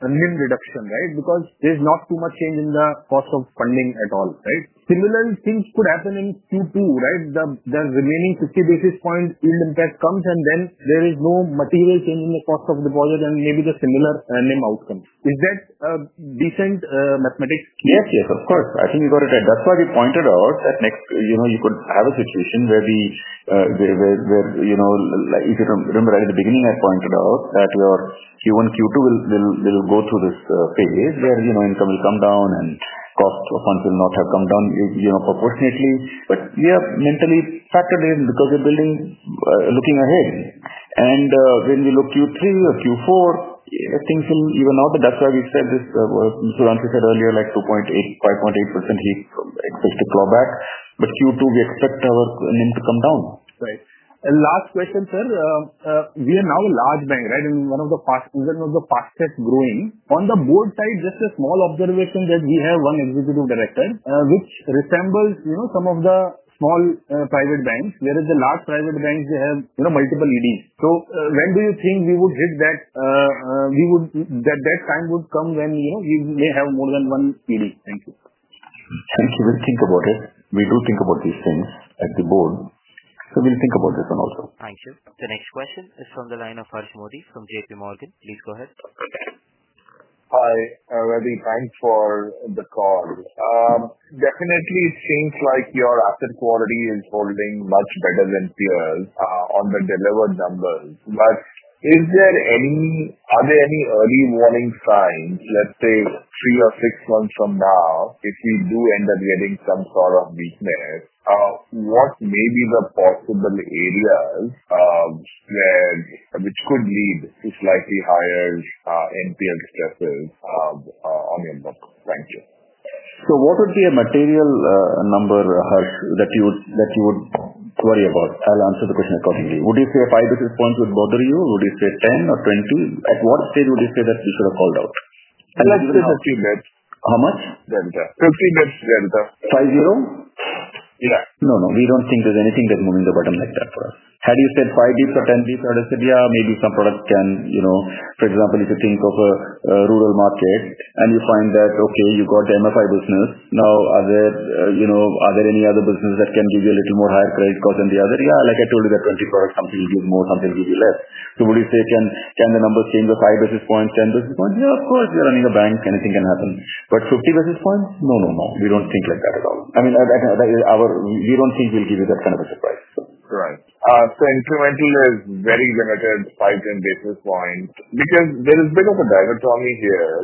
reduction. Right? Because there's not too much change in the cost of funding at all. Right? Similar things could happen in q two. Right? The the remaining 50 basis point yield impact comes, and then there is no material change in the cost of deposit and maybe the similar earning outcome. Is that a decent mathematics? Yes, yes, of course. I think you got it right. That's why we pointed out that next you could have a situation where we where you remember at the beginning, I pointed out that your Q1, Q2 will go through this phase where income will come down and cost of funds will not have come down proportionately. But we are mentally factored in because we're building looking ahead. And when we look Q3 or Q4, things will even out. That's why we said this as Suranshi said earlier, like 2.850.8% heap expected clawback. But Q2, we expect our NIM to come down. Right. And last question, sir. We are now a large bank. Right? And one of the past one of the fastest growing. On the board side, just a small observation that we have one executive director, which resembles, you know, some of the small private banks, whereas the large private banks have, you know, multiple EDs. So when do you think we would hit that we would that that time would come when, you know, we may have more than one ED? Thank you. Thank you. We'll think about it. We do think about these things at the board. So we'll think about this one also. Thank you. The next question is from the line of Harsh Modi from JPMorgan. Please go ahead. Hi, Ravi. Thanks for the call. Definitely, it seems like your asset quality is holding much better than peers on the delivered numbers. But is there any are there any early warning signs, let's say, three or six months from now, if we do end up getting some sort of weakness, what may be the possible areas where which could lead to slightly higher NPL stresses on your book? So what would be a material number, Harsh, that you would worry about? I'll answer the question accordingly. Would you say five basis points would bother you? Would you say 10 or 20? At what stage would you say that you should have called out? Like, say, 50 bps. How much? Then the 50 bps then the five-zero? Yes. No, no. We don't think there's anything that's moving the bottom like that for us. Had you said five bps or 10 bps, would say, yeah, maybe some product can, for example, if you think of a rural market and you find that, okay, you got the MFI business. Now are there any other business that can give you a little more higher credit cost than the other? Yes, like I told you, 24% something will give more, something will give you less. So would you say can the numbers change the five basis points, 10 basis points? Yes, of course, we are running a bank, anything can happen. But 50 basis points? No. No. No. We don't think like that at all. I mean, that that is our we don't think we'll give you that kind of a surprise. Right. So incremental is very limited, five, ten basis points. Because there is a bit of a diatomist here.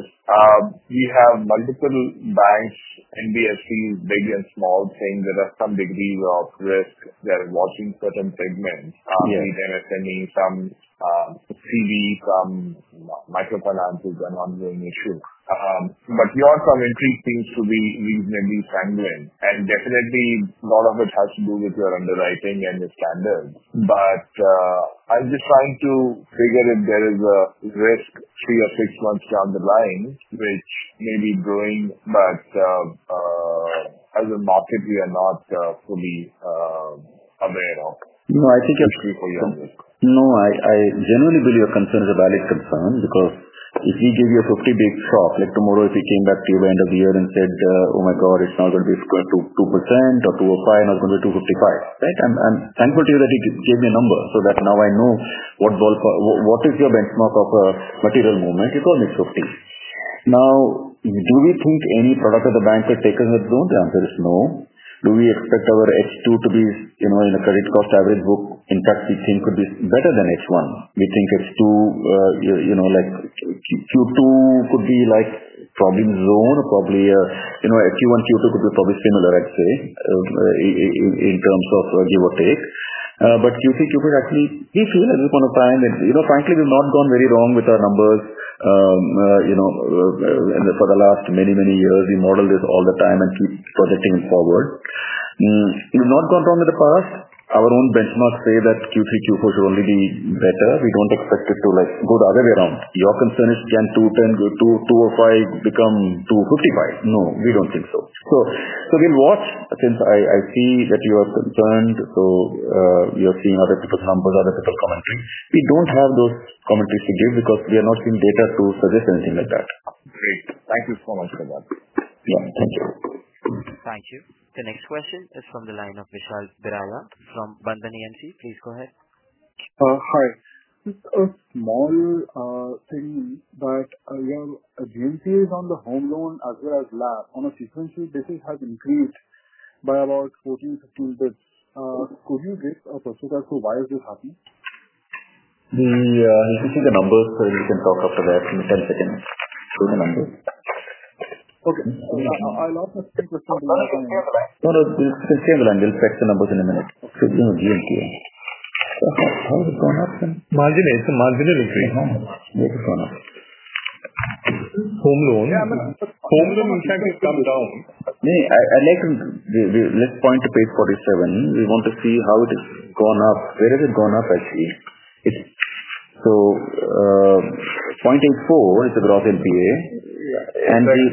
We have multiple banks, NBSCs, big and small, saying that there are some degree of risk. They're watching certain segments. We're gonna send me some CV, some microfinance is an ongoing issue. But your commentary seems to be reasonably sanguine. And, definitely, a lot of it has to do with your underwriting and the standard. But I'm just trying to figure if there is a risk three or six months down the line, which may be growing. But as a market, we are not fully aware of No. I think it's for you. No. I I generally believe your concern is a valid concern because if we give you a 50 bps shock, like tomorrow, if we came back to you end of the year and said, oh my god, it's not going to be 2% or two zero five, not going be two fifty five, right? I'm thankful to you that you gave me a number so that now I know what ballpark what is your benchmark of a material movement? You call it 50. Now do we think any product of the bank will take us at loan? The answer is no. Do we expect our H2 to be in a credit cost average book? In fact, we think it be better than H1. We think it's too like Q2 could be like probably in zone, Q1, Q2 could be probably similar, I'd say, in terms of give or take. But Q3, Q3, actually, we feel at this point of time that frankly, we've not gone very wrong with our numbers for the last many, many years. We model this all the time and keep projecting forward. We've not gone wrong in the past. Our own benchmark say that Q3, Q4 should only be better. We don't expect it to like go the other way around. Your concern is can 210205 become 255? No, we don't think so. So we'll watch since I see that you are concerned. So we are seeing other people's numbers, other people's commentary. We don't have those commentary to give because we are not seeing data to suggest anything like that. Great. Thank you so much for that. Yeah. Thank you. Thank you. The next question is from the line of Vishal Biraja from Bandhani and C. Please go ahead. Hi. Just a small thing, but, again, a GMC is on the home loan as well as lab. On a frequency basis has increased by about 14 to 15 bits. Could you give us a chance to why is this happening? How is it going up then? Margin it's a marginal increase. Home loan. Home Home loan, in fact, has come down. I I like to the the let's point to page 47. We want to see how it has gone up, where has it gone up actually. It's so pointing four is the gross NPA. Yeah.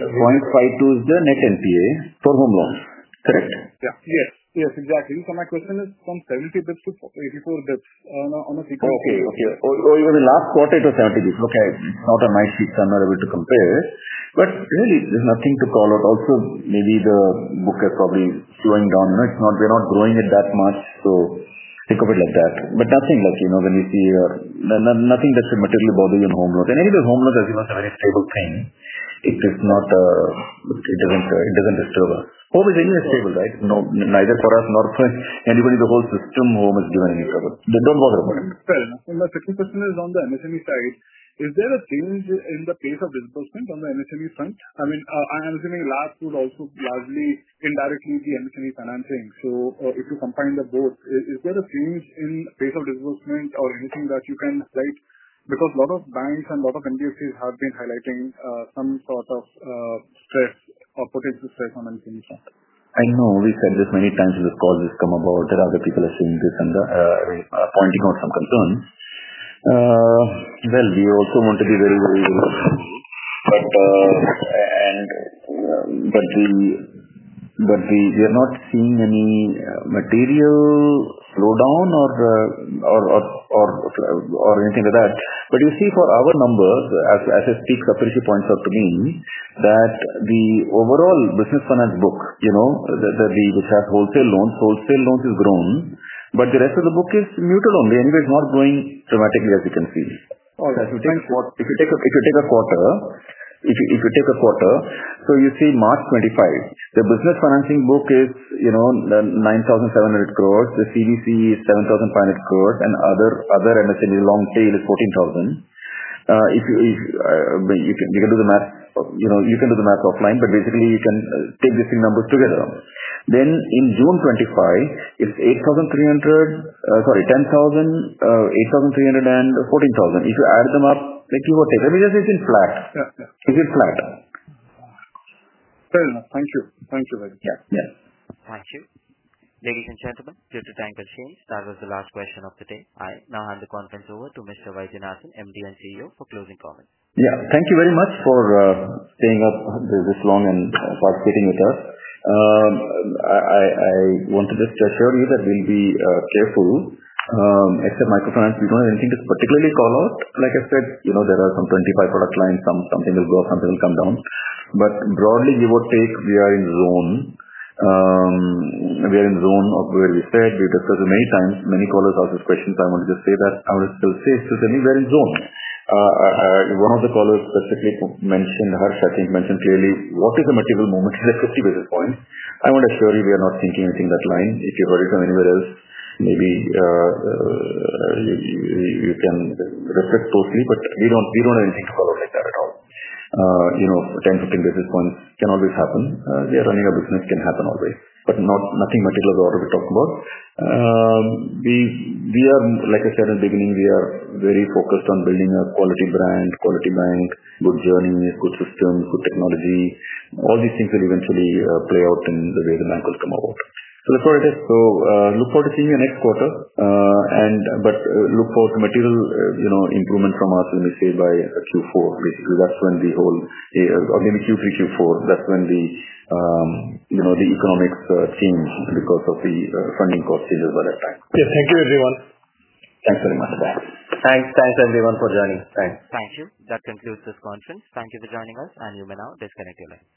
The point five two is the net NPA for home loans. Correct? Yeah. Yes. Yes. Exactly. So my question is from 70 bps to 84 bps on on a single Okay. Okay. Or or even the last quarter to 70 bps. Okay. Not on my sheets. I'm not able to compare. But, really, there's nothing to call out. Also, maybe the book is probably slowing down. It's not we're not growing it that much. So think of it like that. But nothing like when we see nothing that should materially bother you in home loans. And anyway, home loans are the most stable thing. It is not it doesn't it doesn't disturb us. Home is any stable. Right? No. Neither for us nor for anybody in the whole system, home is doing any trouble. They don't bother about it. Fair enough. And my second question is on the MSME side. Is there a change in the pace of disbursement on the MSME front? I mean, I am assuming last year also largely indirectly the M and A financing. So if you combine the both, is is there a change in pace of disbursement or anything that you can write? Because lot of banks and lot of industries have been highlighting some sort of stress or potential stress on the solution. I know. We said this many times in the call that's come about. There are other people that seem to send the I mean, pointing out some concerns. Well, we also want to be very, But we are not seeing any material slowdown or anything like that. But you see for our numbers, as I speak, Sapirshi points out to me that the overall business finance book, which has wholesale loans, wholesale loans has grown, but the rest of the book is muted only. Anyway, it's not growing dramatically, as you can see. If take quarter, you take a quarter, so you see March 25, the business financing book is 9,700 crores, the CVC is 7,500 crores and other MSNB long tail is 14,000. If you you can do the math offline, but basically, you can take these numbers together. Then in June 25, it's 8,300 sorry, 332,000. If you add them up, give or take. Maybe just it's in flat. Yeah. It's in flat. Fair enough. Thank you. Thank you, Raj. Yeah. Yeah. You. Ladies and gentlemen, due to time constraints, that was the last question of the day. I now hand the conference over to Mr. Vijay Nathal, MD and CEO, for closing comments. Yeah. Thank you very much for staying up this this long and participating with us. I I want to just assure you that we'll be careful except microfinance. We don't have anything to particularly call out. Like I said, there are some 25 product lines, something will go, something will come down. But broadly, give or take, we are in zone. We are in zone of where we said. We discussed many times, many callers ask these questions. I wanted to say that I would still say, so I think we're in zone. One of the callers specifically mentioned Harsh, I think, mentioned clearly what is the material moment, is that 50 basis points. I want to assure you we are not thinking anything that line. If you heard it from anywhere else, maybe you can reflect closely, but we don't have anything to call out like that at all. Ten, fifteen basis points can always happen. We are running a business can happen always, but nothing particular we're talking about. We are like I said in the beginning, we are very focused on building a quality brand, quality bank, good journey, good system, good technology. All these things will eventually play out in the way the bank will come about. So that's what it is. So look forward to seeing you next quarter and but look forward to material improvement from us, let me say, by Q4. Basically, that's when the whole or maybe Q3, Q4, that's when the economics change because of the funding cost changes by that time. Yes. Thank you, everyone. Thanks very much. Bye. Thanks. Thanks, everyone, for joining. Thanks. Thank you. That concludes this conference. Thank you for joining us, and you may now disconnect your line.